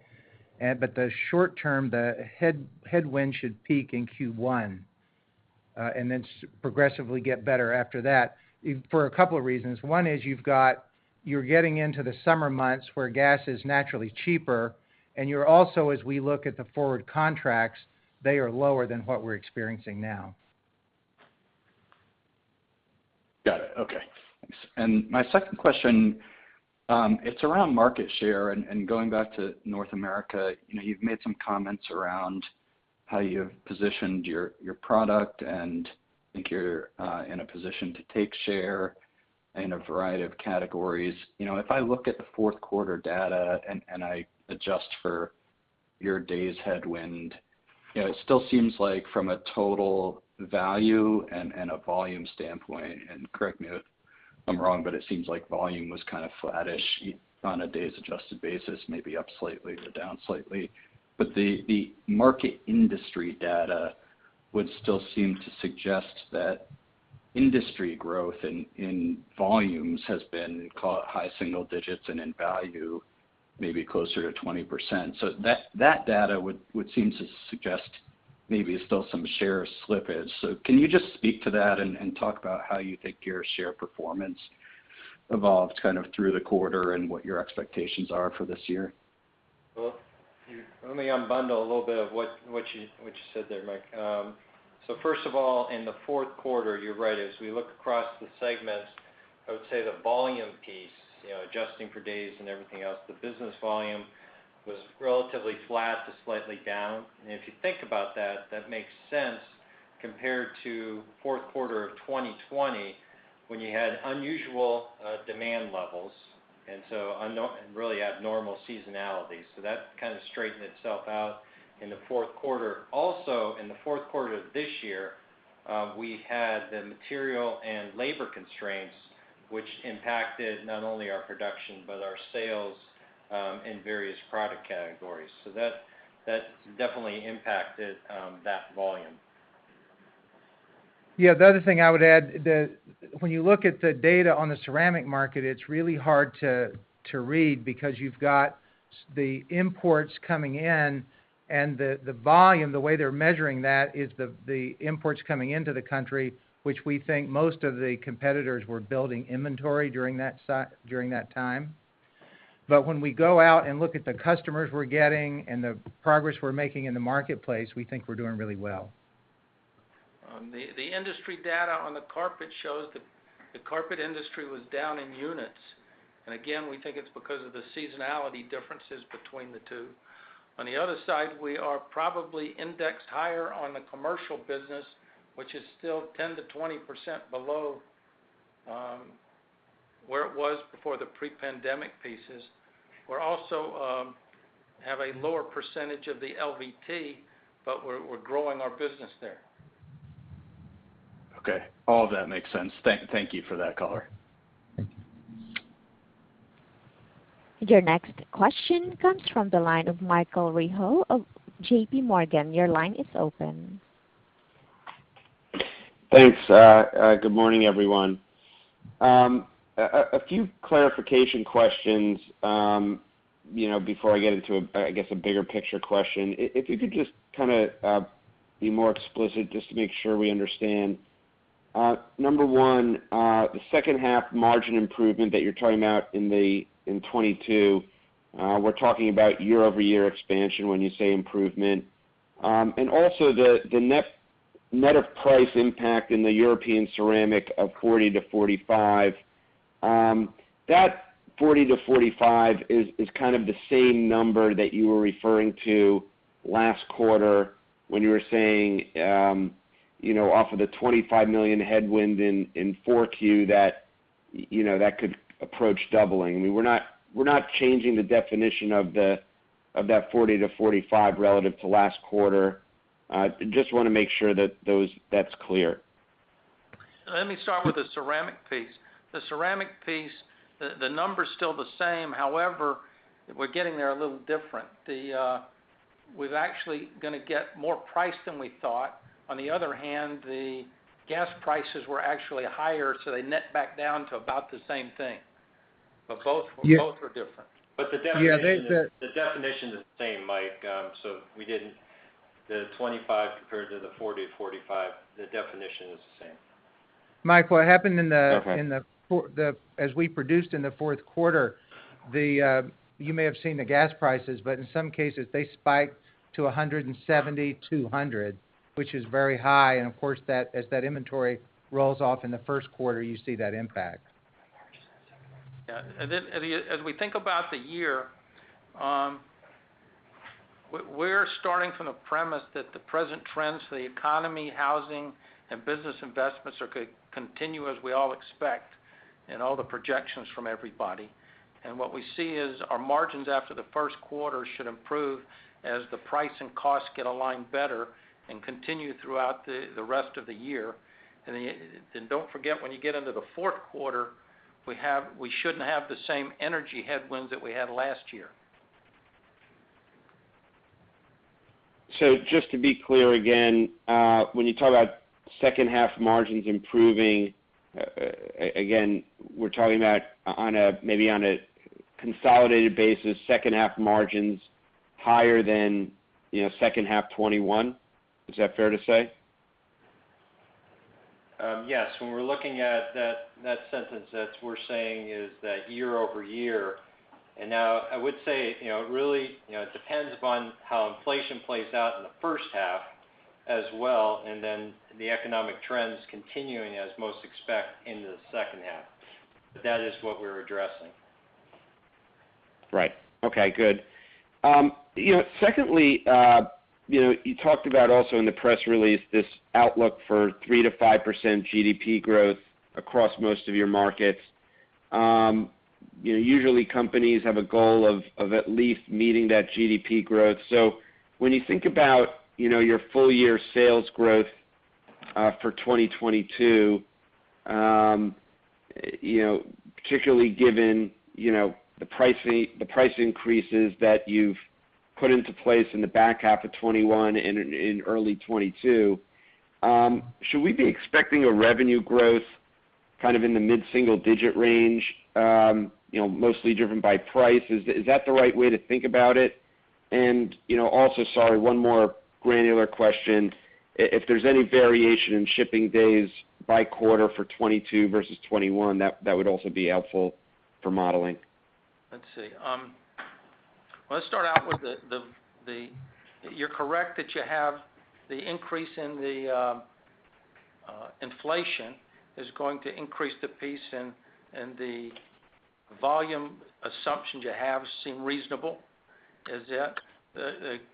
In the short term, the headwind should peak in Q1, and then progressively get better after that for a couple of reasons. One is you're getting into the summer months where gas is naturally cheaper, and you're also, as we look at the forward contracts, they are lower than what we're experiencing now. Got it. Okay. Thanks. My second question, it's around market share and going back to North America. You know, you've made some comments around how you've positioned your product, and I think you're in a position to take share in a variety of categories. You know, if I look at the fourth quarter data and I adjust for your days headwind, you know, it still seems like from a total value and a volume standpoint, and correct me if I'm wrong, but it seems like volume was kind of flattish on a days adjusted basis, maybe up slightly to down slightly. But the market industry data would still seem to suggest that industry growth in volumes has been called high single digits and in value, maybe closer to 20%. That data would seem to suggest maybe still some share slippage. Can you just speak to that and talk about how you think your share performance evolved kind of through the quarter and what your expectations are for this year? Well, let me unbundle a little bit of what you said there, Mike. So first of all, in the fourth quarter, you're right. As we look across the segments, I would say the volume piece, you know, adjusting for days and everything else, the business volume was relatively flat to slightly down. If you think about that makes sense compared to fourth quarter of 2020 when you had unusual demand levels and really abnormal seasonality. That kind of straightened itself out in the fourth quarter. Also, in the fourth quarter of this year, we had the material and labor constraints, which impacted not only our production but our sales in various product categories. That definitely impacted that volume. Yeah. The other thing I would add, when you look at the data on the ceramic market, it's really hard to read because you've got the imports coming in and the volume, the way they're measuring that is the imports coming into the country, which we think most of the competitors were building inventory during that time. But when we go out and look at the customers we're getting and the progress we're making in the marketplace, we think we're doing really well. The industry data on the carpet shows that the carpet industry was down in units. Again, we think it's because of the seasonality differences between the two. On the other side, we are probably indexed higher on the commercial business, which is still 10%-20% below where it was before the pre-pandemic levels. We also have a lower percentage of the LVT, but we're growing our business there. Okay. All of that makes sense. Thank you for that color. Your next question comes from the line of Michael Rehaut of JPMorgan. Your line is open. Thanks, good morning, everyone. A few clarification questions, you know, before I get into, I guess, a bigger picture question. If you could just kinda be more explicit just to make sure we understand. Number one, the second half margin improvement that you're talking about in 2022, we're talking about year-over-year expansion when you say improvement. Also the net of price impact in the European ceramic of $40-$45, that $40-$45 is kind of the same number that you were referring to last quarter when you were saying, you know, off of the $25 million headwind in Q4 that, you know, that could approach doubling. We're not changing the definition of that $40-$45 relative to last quarter. Just wanna make sure that's clear. Let me start with the ceramic piece. The ceramic piece, the number's still the same. However, we're getting there a little different. We've actually gonna get more price than we thought. On the other hand, the gas prices were actually higher, so they net back down to about the same thing. Both are different. The definition. Yeah, they said. The definition is the same, Mike. The 25 compared to the 40-45, the definition is the same. Mike, what happened in the? Okay as we produced in the fourth quarter, you may have seen the gas prices, but in some cases, they spiked to 170-200, which is very high. Of course, that as that inventory rolls off in the first quarter, you see that impact. Yeah. As we think about the year, we're starting from the premise that the present trends for the economy, housing, and business investments continue as we all expect, and all the projections from everybody. What we see is our margins after the first quarter should improve as the price and costs get aligned better and continue throughout the rest of the year. Don't forget, when you get into the fourth quarter, we shouldn't have the same energy headwinds that we had last year. Just to be clear again, when you talk about second half margins improving, again, we're talking about on a, maybe on a consolidated basis, second half margins higher than, you know, second half 2021? Is that fair to say? Yes. When we're looking at that sentence that we're saying is that year over year. Now I would say, you know, really, you know, it depends upon how inflation plays out in the first half as well, and then the economic trends continuing as most expect into the second half. That is what we're addressing. Right. Okay, good. You know, secondly, you know, you talked about also in the press release this outlook for 3%-5% GDP growth across most of your markets. You know, usually companies have a goal of at least meeting that GDP growth. When you think about, you know, your full year sales growth, for 2022, you know, particularly given, you know, the pricing, the price increases that you've put into place in the back half of 2021 and in early 2022, should we be expecting a revenue growth kind of in the mid-single digit range, you know, mostly driven by price? Is that the right way to think about it? You know, also, sorry, one more granular question. If there's any variation in shipping days by quarter for 2022 versus 2021, that would also be helpful for modeling. Let's see. Let's start out with you're correct that you have the increase in the inflation is going to increase the price, and the volume assumptions you have seem reasonable.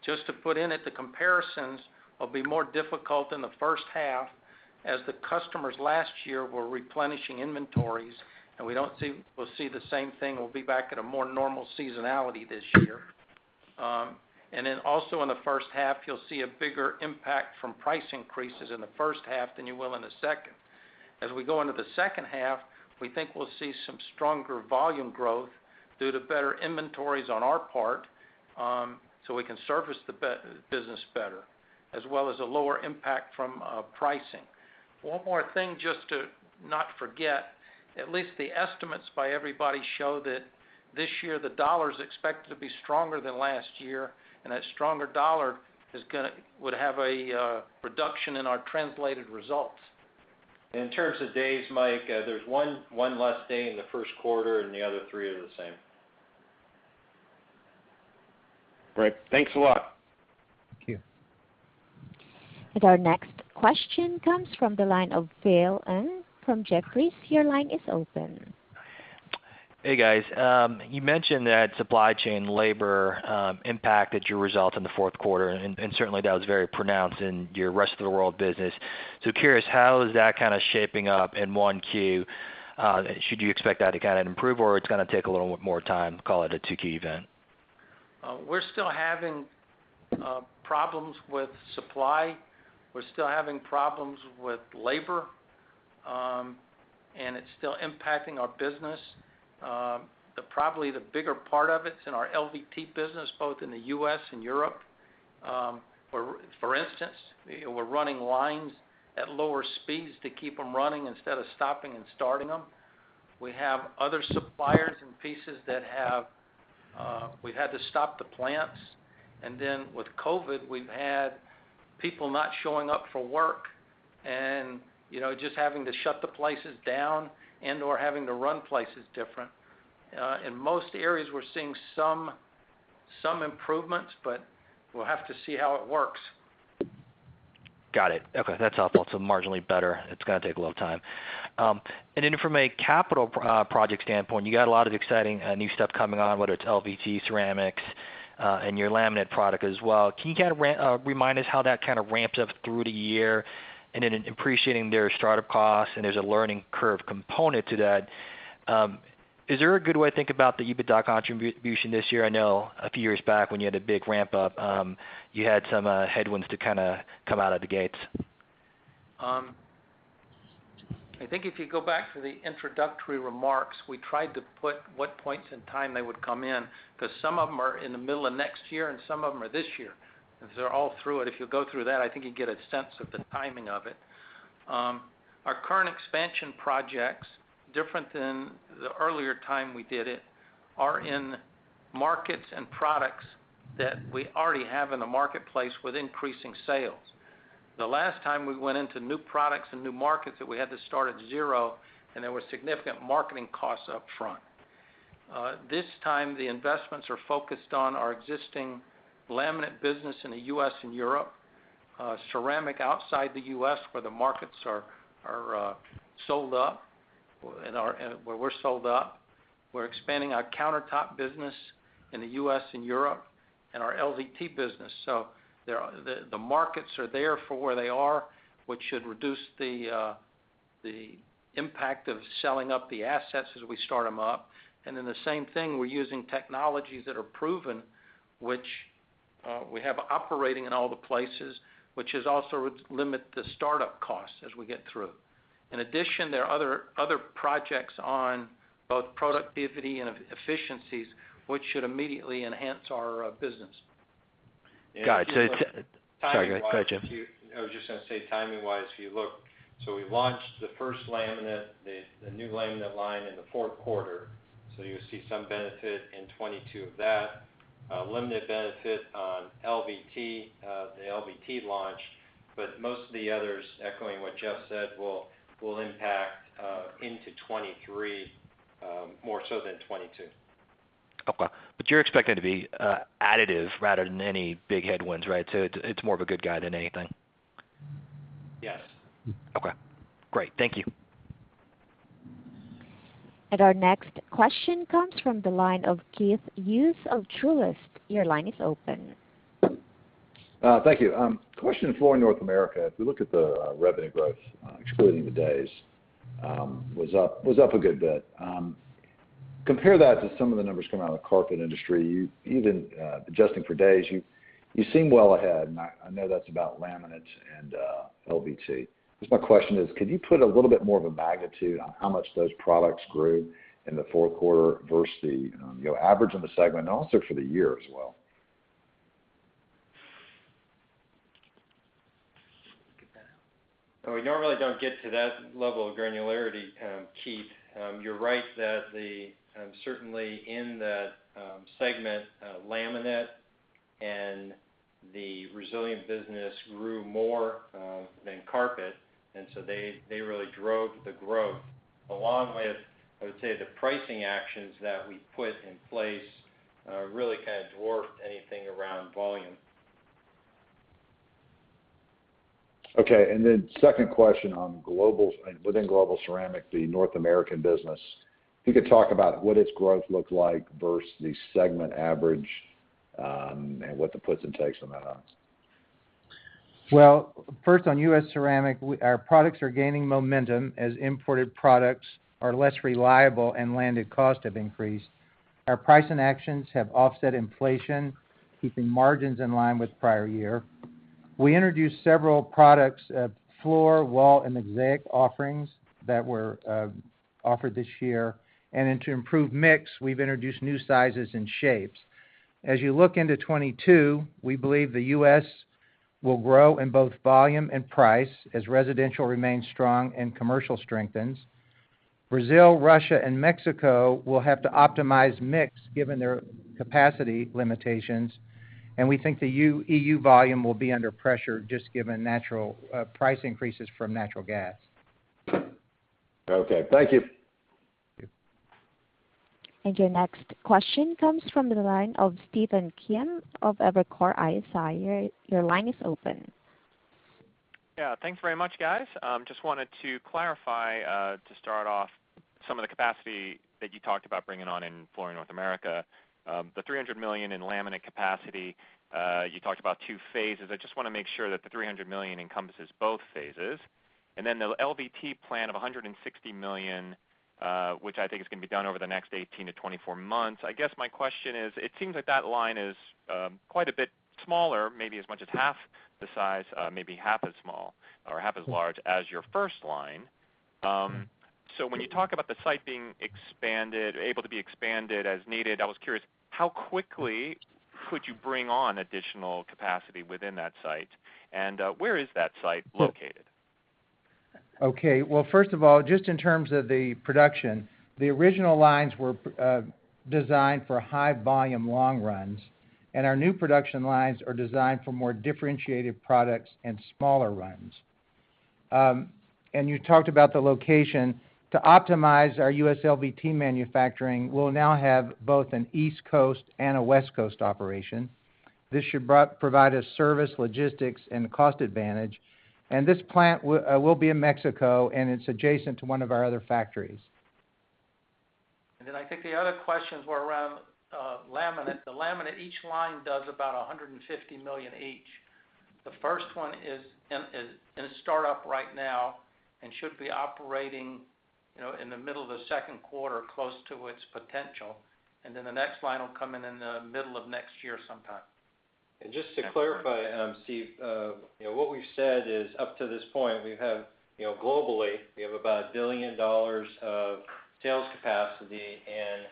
Just to put it in, the comparisons will be more difficult in the first half as the customers last year were replenishing inventories, and will see the same thing. We'll be back at a more normal seasonality this year. Also in the first half, you'll see a bigger impact from price increases in the first half than you will in the second. As we go into the second half, we think we'll see some stronger volume growth due to better inventories on our part, so we can service the business better, as well as a lower impact from pricing. One more thing, just to not forget, at least the estimates by everybody show that this year the dollar is expected to be stronger than last year, and a stronger dollar would have a reduction in our translated results. In terms of days, Mike, there's one less day in the first quarter, and the other three are the same. Great. Thanks a lot. Thank you. Our next question comes from the line of Philip Ng from Jefferies. Your line is open. Hey, guys. You mentioned that supply chain labor impacted your results in the fourth quarter, and certainly that was very pronounced in your rest of the world business. Curious, how is that kind of shaping up in 1Q? Should you expect that to kind of improve, or it's gonna take a little more time, call it a 2Q event? We're still having problems with supply. We're still having problems with labor, and it's still impacting our business. Probably the bigger part of it's in our LVT business, both in the U.S. and Europe. For instance, you know, we're running lines at lower speeds to keep them running instead of stopping and starting them. We have other suppliers and pieces that have, we've had to stop the plants. Then with COVID, we've had people not showing up for work and, you know, just having to shut the places down and/or having to run places different. In most areas we're seeing some improvements, but we'll have to see how it works. Got it. Okay. That's helpful. Marginally better. It's gonna take a little time. From a capital project standpoint, you got a lot of exciting new stuff coming on, whether it's LVT, ceramics, and your laminate product as well. Can you kind of remind us how that kind of ramps up through the year? In appreciating their startup costs, and there's a learning curve component to that, is there a good way to think about the EBITDA contribution this year? I know a few years back when you had a big ramp up, you had some headwinds to kind of come out of the gates. I think if you go back to the introductory remarks, we tried to put what points in time they would come in, because some of them are in the middle of next year and some of them are this year. They're all through it. If you go through that, I think you get a sense of the timing of it. Our current expansion projects, different than the earlier time we did it, are in markets and products that we already have in the marketplace with increasing sales. The last time we went into new products and new markets that we had to start at zero, and there were significant marketing costs up front. This time the investments are focused on our existing laminate business in the U.S. and Europe, ceramic outside the U.S. where the markets are sold out or where we're sold out. We're expanding our countertop business in the U.S. and Europe and our LVT business. The markets are there for where they are, which should reduce the impact of scaling up the assets as we start them up. The same thing, we're using technologies that are proven, which we have operating in all the places, which also would limit the startup costs as we get through. In addition, there are other projects on both productivity and efficiencies, which should immediately enhance our business. Got it. Timing-wise, you Sorry, go ahead, Jeff. I was just gonna say, timing-wise, if you look, so we launched the first laminate, the new laminate line in the fourth quarter, so you'll see some benefit in 2022 of that. A limited benefit on LVT, the LVT launch, but most of the others, echoing what Jeff said, will impact into 2023, more so than 2022. Okay. You're expecting to be additive rather than any big headwinds, right? It's more of a good guide than anything. Yes. Okay, great. Thank you. Our next question comes from the line of Keith Hughes of Truist. Your line is open. Thank you. Question on Flooring North America. If you look at the revenue growth, excluding the days, was up a good bit. Compare that to some of the numbers coming out of the carpet industry. Even adjusting for days, you seem well ahead, and I know that's about laminates and LVT. I guess my question is, could you put a little bit more of a magnitude on how much those products grew in the fourth quarter versus the average in the segment, and also for the year as well? Get that. We normally don't get to that level of granularity, Keith. You're right that, certainly in the segment, laminate and the resilient business grew more than carpet, and so they really drove the growth, along with, I would say, the pricing actions that we put in place, really kind of dwarfed anything around volume. Okay, second question on Global within Global Ceramic, the North American business. If you could talk about what its growth looked like versus the segment average, and what the puts and takes on that are. Well, first on U.S. ceramic, our products are gaining momentum as imported products are less reliable and landed costs have increased. Our pricing actions have offset inflation, keeping margins in line with prior year. We introduced several products, floor, wall, and mosaic offerings that were offered this year. To improve mix, we've introduced new sizes and shapes. As you look into 2022, we believe the U.S. will grow in both volume and price as residential remains strong and commercial strengthens. Brazil, Russia, and Mexico will have to optimize mix given their capacity limitations, and we think the EU volume will be under pressure just given natural price increases from natural gas. Okay. Thank you. Thank you. Your next question comes from the line of Stephen Kim of Evercore ISI. Your line is open. Yeah. Thanks very much, guys. Just wanted to clarify, to start off some of the capacity that you talked about bringing on in Flooring North America. The $300 million in laminate capacity, you talked about two phases. I just wanna make sure that the $300 million encompasses both phases. The LVT plan of $160 million, which I think is gonna be done over the next 18-24 months, I guess my question is, it seems like that line is quite a bit smaller, maybe as much as half the size, maybe half as small or half as large as your first line. When you talk about the site being expanded, able to be expanded as needed, I was curious, how quickly could you bring on additional capacity within that site? Where is that site located? Well, first of all, just in terms of the production, the original lines were designed for high volume, long runs, and our new production lines are designed for more differentiated products and smaller runs. You talked about the location. To optimize our U.S. LVT manufacturing, we'll now have both an East Coast and a West Coast operation. This should provide us service, logistics, and cost advantage. This plant will be in Mexico, and it's adjacent to one of our other factories. I think the other questions were around laminate. The laminate, each line does about $150 million each. The first one is in a startup right now and should be operating, you know, in the middle of the second quarter, close to its potential. The next line will come in in the middle of next year sometime. Just to clarify, Steve, you know, what we've said is up to this point, we have, you know, globally, we have about $1 billion of sales capacity and-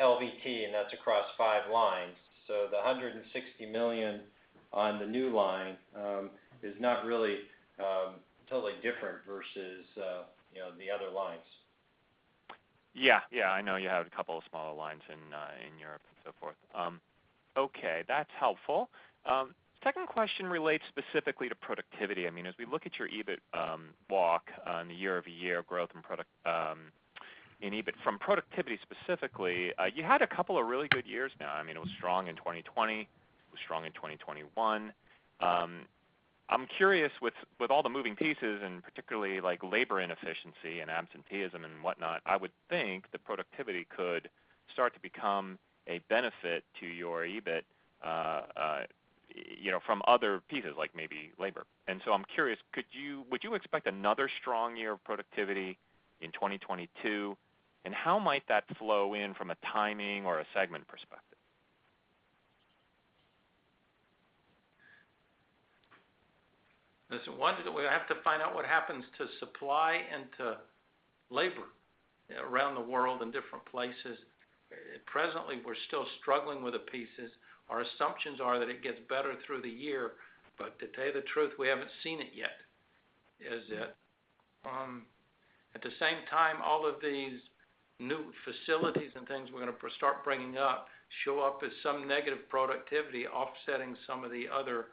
LVT, that's across five lines. The $160 million on the new line is not really totally different versus, you know, the other lines. Yeah. Yeah. I know you have a couple of smaller lines in Europe and so forth. Okay, that's helpful. Second question relates specifically to productivity. I mean, as we look at your EBIT walk on the year-over-year growth in EBIT from productivity specifically, you had a couple of really good years now. I mean, it was strong in 2020. It was strong in 2021. I'm curious with all the moving pieces and particularly like labor inefficiency and absenteeism and whatnot, I would think that productivity could start to become a benefit to your EBIT, you know, from other pieces like maybe labor. I'm curious, would you expect another strong year of productivity in 2022, and how might that flow in from a timing or a segment perspective? Listen, one, we have to find out what happens to supply and to labor around the world in different places. Presently, we're still struggling with the pieces. Our assumptions are that it gets better through the year, but to tell you the truth, we haven't seen it yet, is it. At the same time, all of these new facilities and things we're gonna start bringing up show up as some negative productivity offsetting some of the other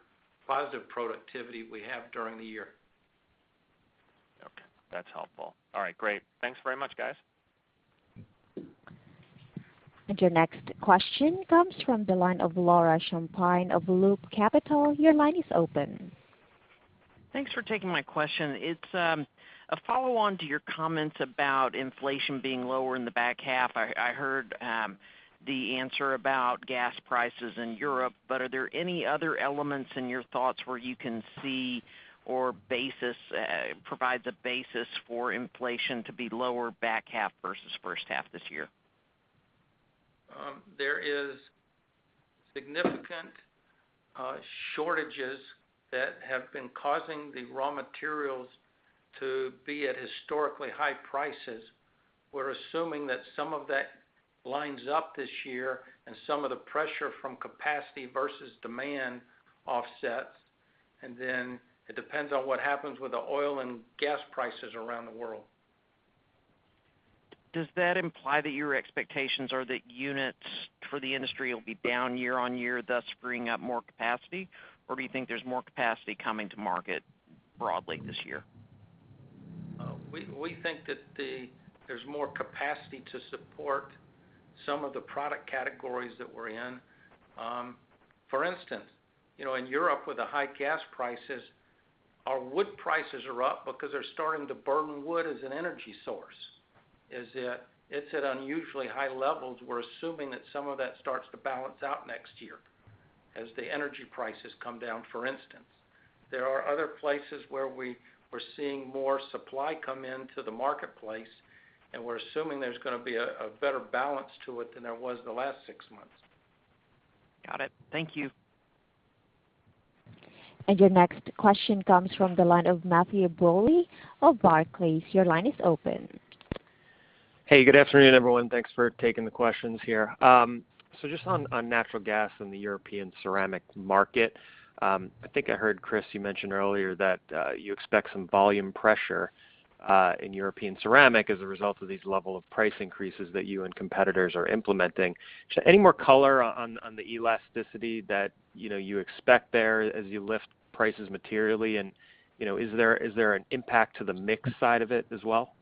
positive productivity we have during the year. Okay. That's helpful. All right, great. Thanks very much, guys. Your next question comes from the line of Laura Champine of Loop Capital. Your line is open. Thanks for taking my question. It's a follow-on to your comments about inflation being lower in the back half. I heard the answer about gas prices in Europe, but are there any other elements in your thoughts where you can see provides a basis for inflation to be lower back half versus first half this year? There is significant shortages that have been causing the raw materials to be at historically high prices. We're assuming that some of that lines up this year and some of the pressure from capacity versus demand offsets, and then it depends on what happens with the oil and gas prices around the world. Does that imply that your expectations are that units for the industry will be down year-over-year, thus freeing up more capacity? Or do you think there's more capacity coming to market broadly this year? We think that there's more capacity to support some of the product categories that we're in. For instance, you know, in Europe with the high gas prices, our wood prices are up because they're starting to burn wood as an energy source, is it. It's at unusually high levels. We're assuming that some of that starts to balance out next year as the energy prices come down, for instance. There are other places where we're seeing more supply come into the marketplace, and we're assuming there's gonna be a better balance to it than there was the last six months. Got it. Thank you. Your next question comes from the line of Matthew Bouley of Barclays. Your line is open. Hey, good afternoon, everyone. Thanks for taking the questions here. Just on natural gas in the European ceramic market, I think I heard, Chris, you mentioned earlier that you expect some volume pressure in European ceramic as a result of these level of price increases that you and competitors are implementing. Any more color on the elasticity that, you know, you expect there as you lift prices materially and, you know, is there an impact to the mix side of it as well?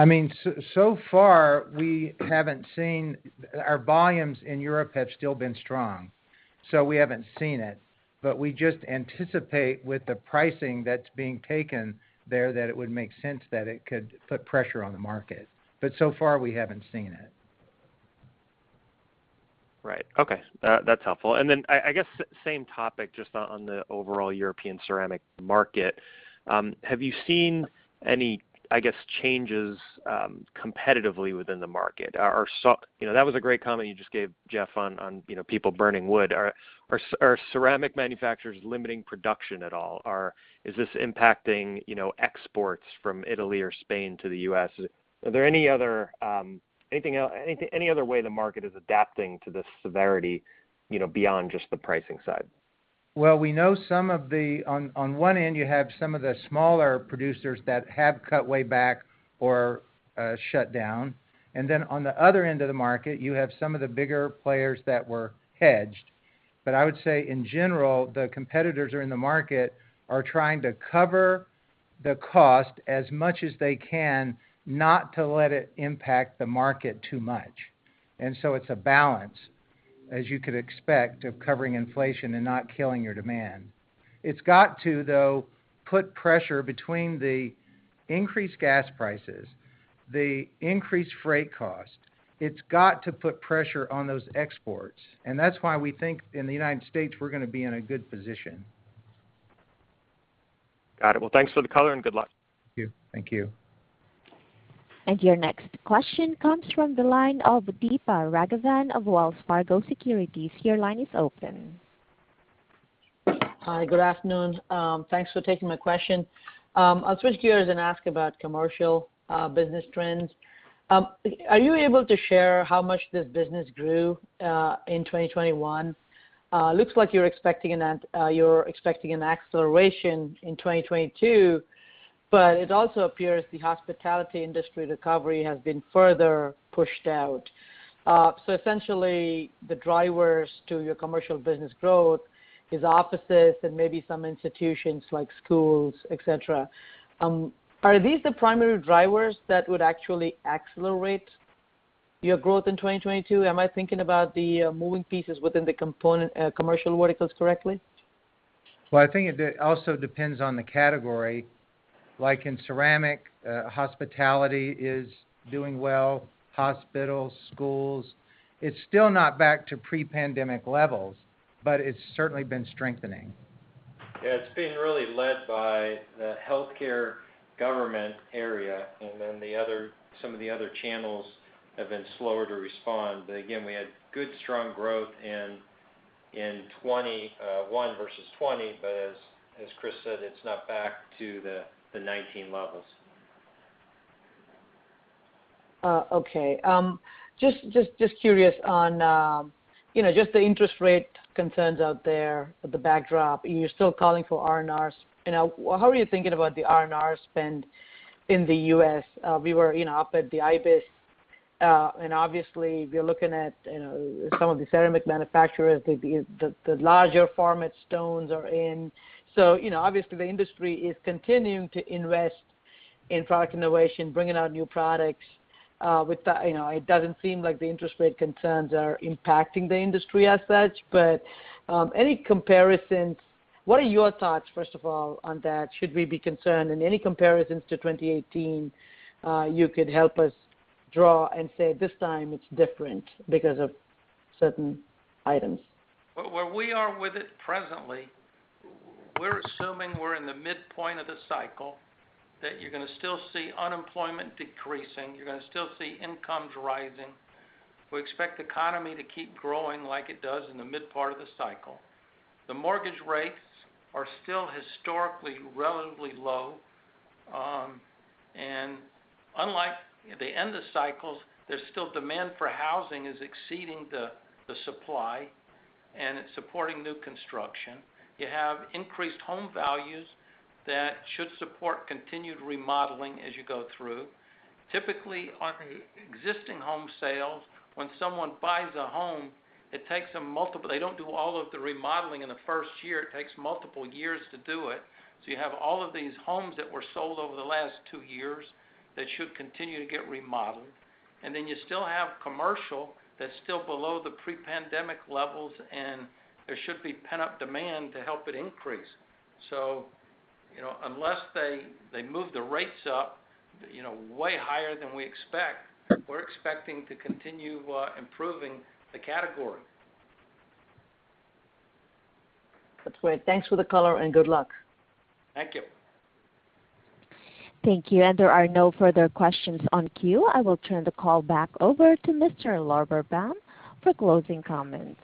I mean, so far we haven't seen it. Our volumes in Europe have still been strong, so we haven't seen it. We just anticipate with the pricing that's being taken there, that it would make sense that it could put pressure on the market. So far we haven't seen it. Right. Okay. That's helpful. Then I guess same topic just on the overall European ceramic market. Have you seen any, I guess, changes competitively within the market? You know, that was a great comment you just gave, Jeff, on you know, people burning wood. Are ceramic manufacturers limiting production at all? Or is this impacting, you know, exports from Italy or Spain to the U.S.? Are there any other way the market is adapting to this severity, you know, beyond just the pricing side? Well, on one end, you have some of the smaller producers that have cut way back or shut down. On the other end of the market, you have some of the bigger players that were hedged. I would say in general, the competitors who are in the market are trying to cover the cost as much as they can not to let it impact the market too much. It's a balance, as you could expect, of covering inflation and not killing your demand. It's got to, though, put pressure between the increased gas prices, the increased freight cost. It's got to put pressure on those exports. That's why we think in the United States, we're gonna be in a good position. Got it. Well, thanks for the color and good luck. Thank you. Thank you. Your next question comes from the line of Deepa Raghavan of Wells Fargo Securities. Your line is open. Hi, good afternoon. Thanks for taking my question. I'll switch gears and ask about commercial business trends. Are you able to share how much this business grew in 2021? Looks like you're expecting an acceleration in 2022, but it also appears the hospitality industry recovery has been further pushed out. Essentially, the drivers to your commercial business growth is offices and maybe some institutions like schools, et cetera. Are these the primary drivers that would actually accelerate your growth in 2022? Am I thinking about the moving pieces within the component commercial verticals correctly? Well, I think it also depends on the category. Like in ceramic, hospitality is doing well, hospitals, schools. It's still not back to pre-pandemic levels, but it's certainly been strengthening. Yeah, it's been really led by the healthcare government area, and then some of the other channels have been slower to respond. Again, we had good, strong growth in 2021 versus 2020. As Chris said, it's not back to the 2019 levels. Just curious on, you know, just the interest rate concerns out there with the backdrop. You're still calling for R&Rs. You know, how are you thinking about the R&R spend in the U.S.? We were, you know, up at the IBS, and obviously we're looking at, you know, some of the ceramic manufacturers, the larger format stones are in. So, you know, obviously, the industry is continuing to invest in product innovation, bringing out new products. With that, you know, it doesn't seem like the interest rate concerns are impacting the industry as such. Any comparisons? What are your thoughts, first of all, on that? Should we be concerned? Any comparisons to 2018 you could help us draw and say, this time it's different because of certain items. Where we are with it presently, we're assuming we're in the midpoint of the cycle, that you're gonna still see unemployment decreasing, you're gonna still see incomes rising. We expect the economy to keep growing like it does in the mid part of the cycle. The mortgage rates are still historically relatively low. Unlike the end of cycles, there's still demand for housing exceeding the supply, and it's supporting new construction. You have increased home values that should support continued remodeling as you go through. Typically, on existing home sales, when someone buys a home, they don't do all of the remodeling in the first year. It takes multiple years to do it. You have all of these homes that were sold over the last two years that should continue to get remodeled. You still have commercial that's still below the pre-pandemic levels, and there should be pent-up demand to help it increase. You know, unless they move the rates up, you know, way higher than we expect, we're expecting to continue improving the category. That's great. Thanks for the color and good luck. Thank you. Thank you. There are no further questions in the queue. I will turn the call back over to Mr. Lorberbaum for closing comments.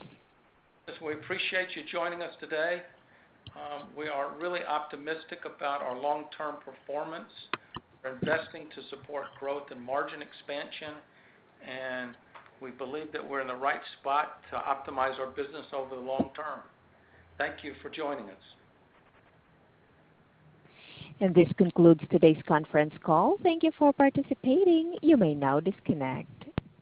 Yes, we appreciate you joining us today. We are really optimistic about our long-term performance. We're investing to support growth and margin expansion, and we believe that we're in the right spot to optimize our business over the long term. Thank you for joining us. This concludes today's conference call. Thank you for participating. You may now disconnect.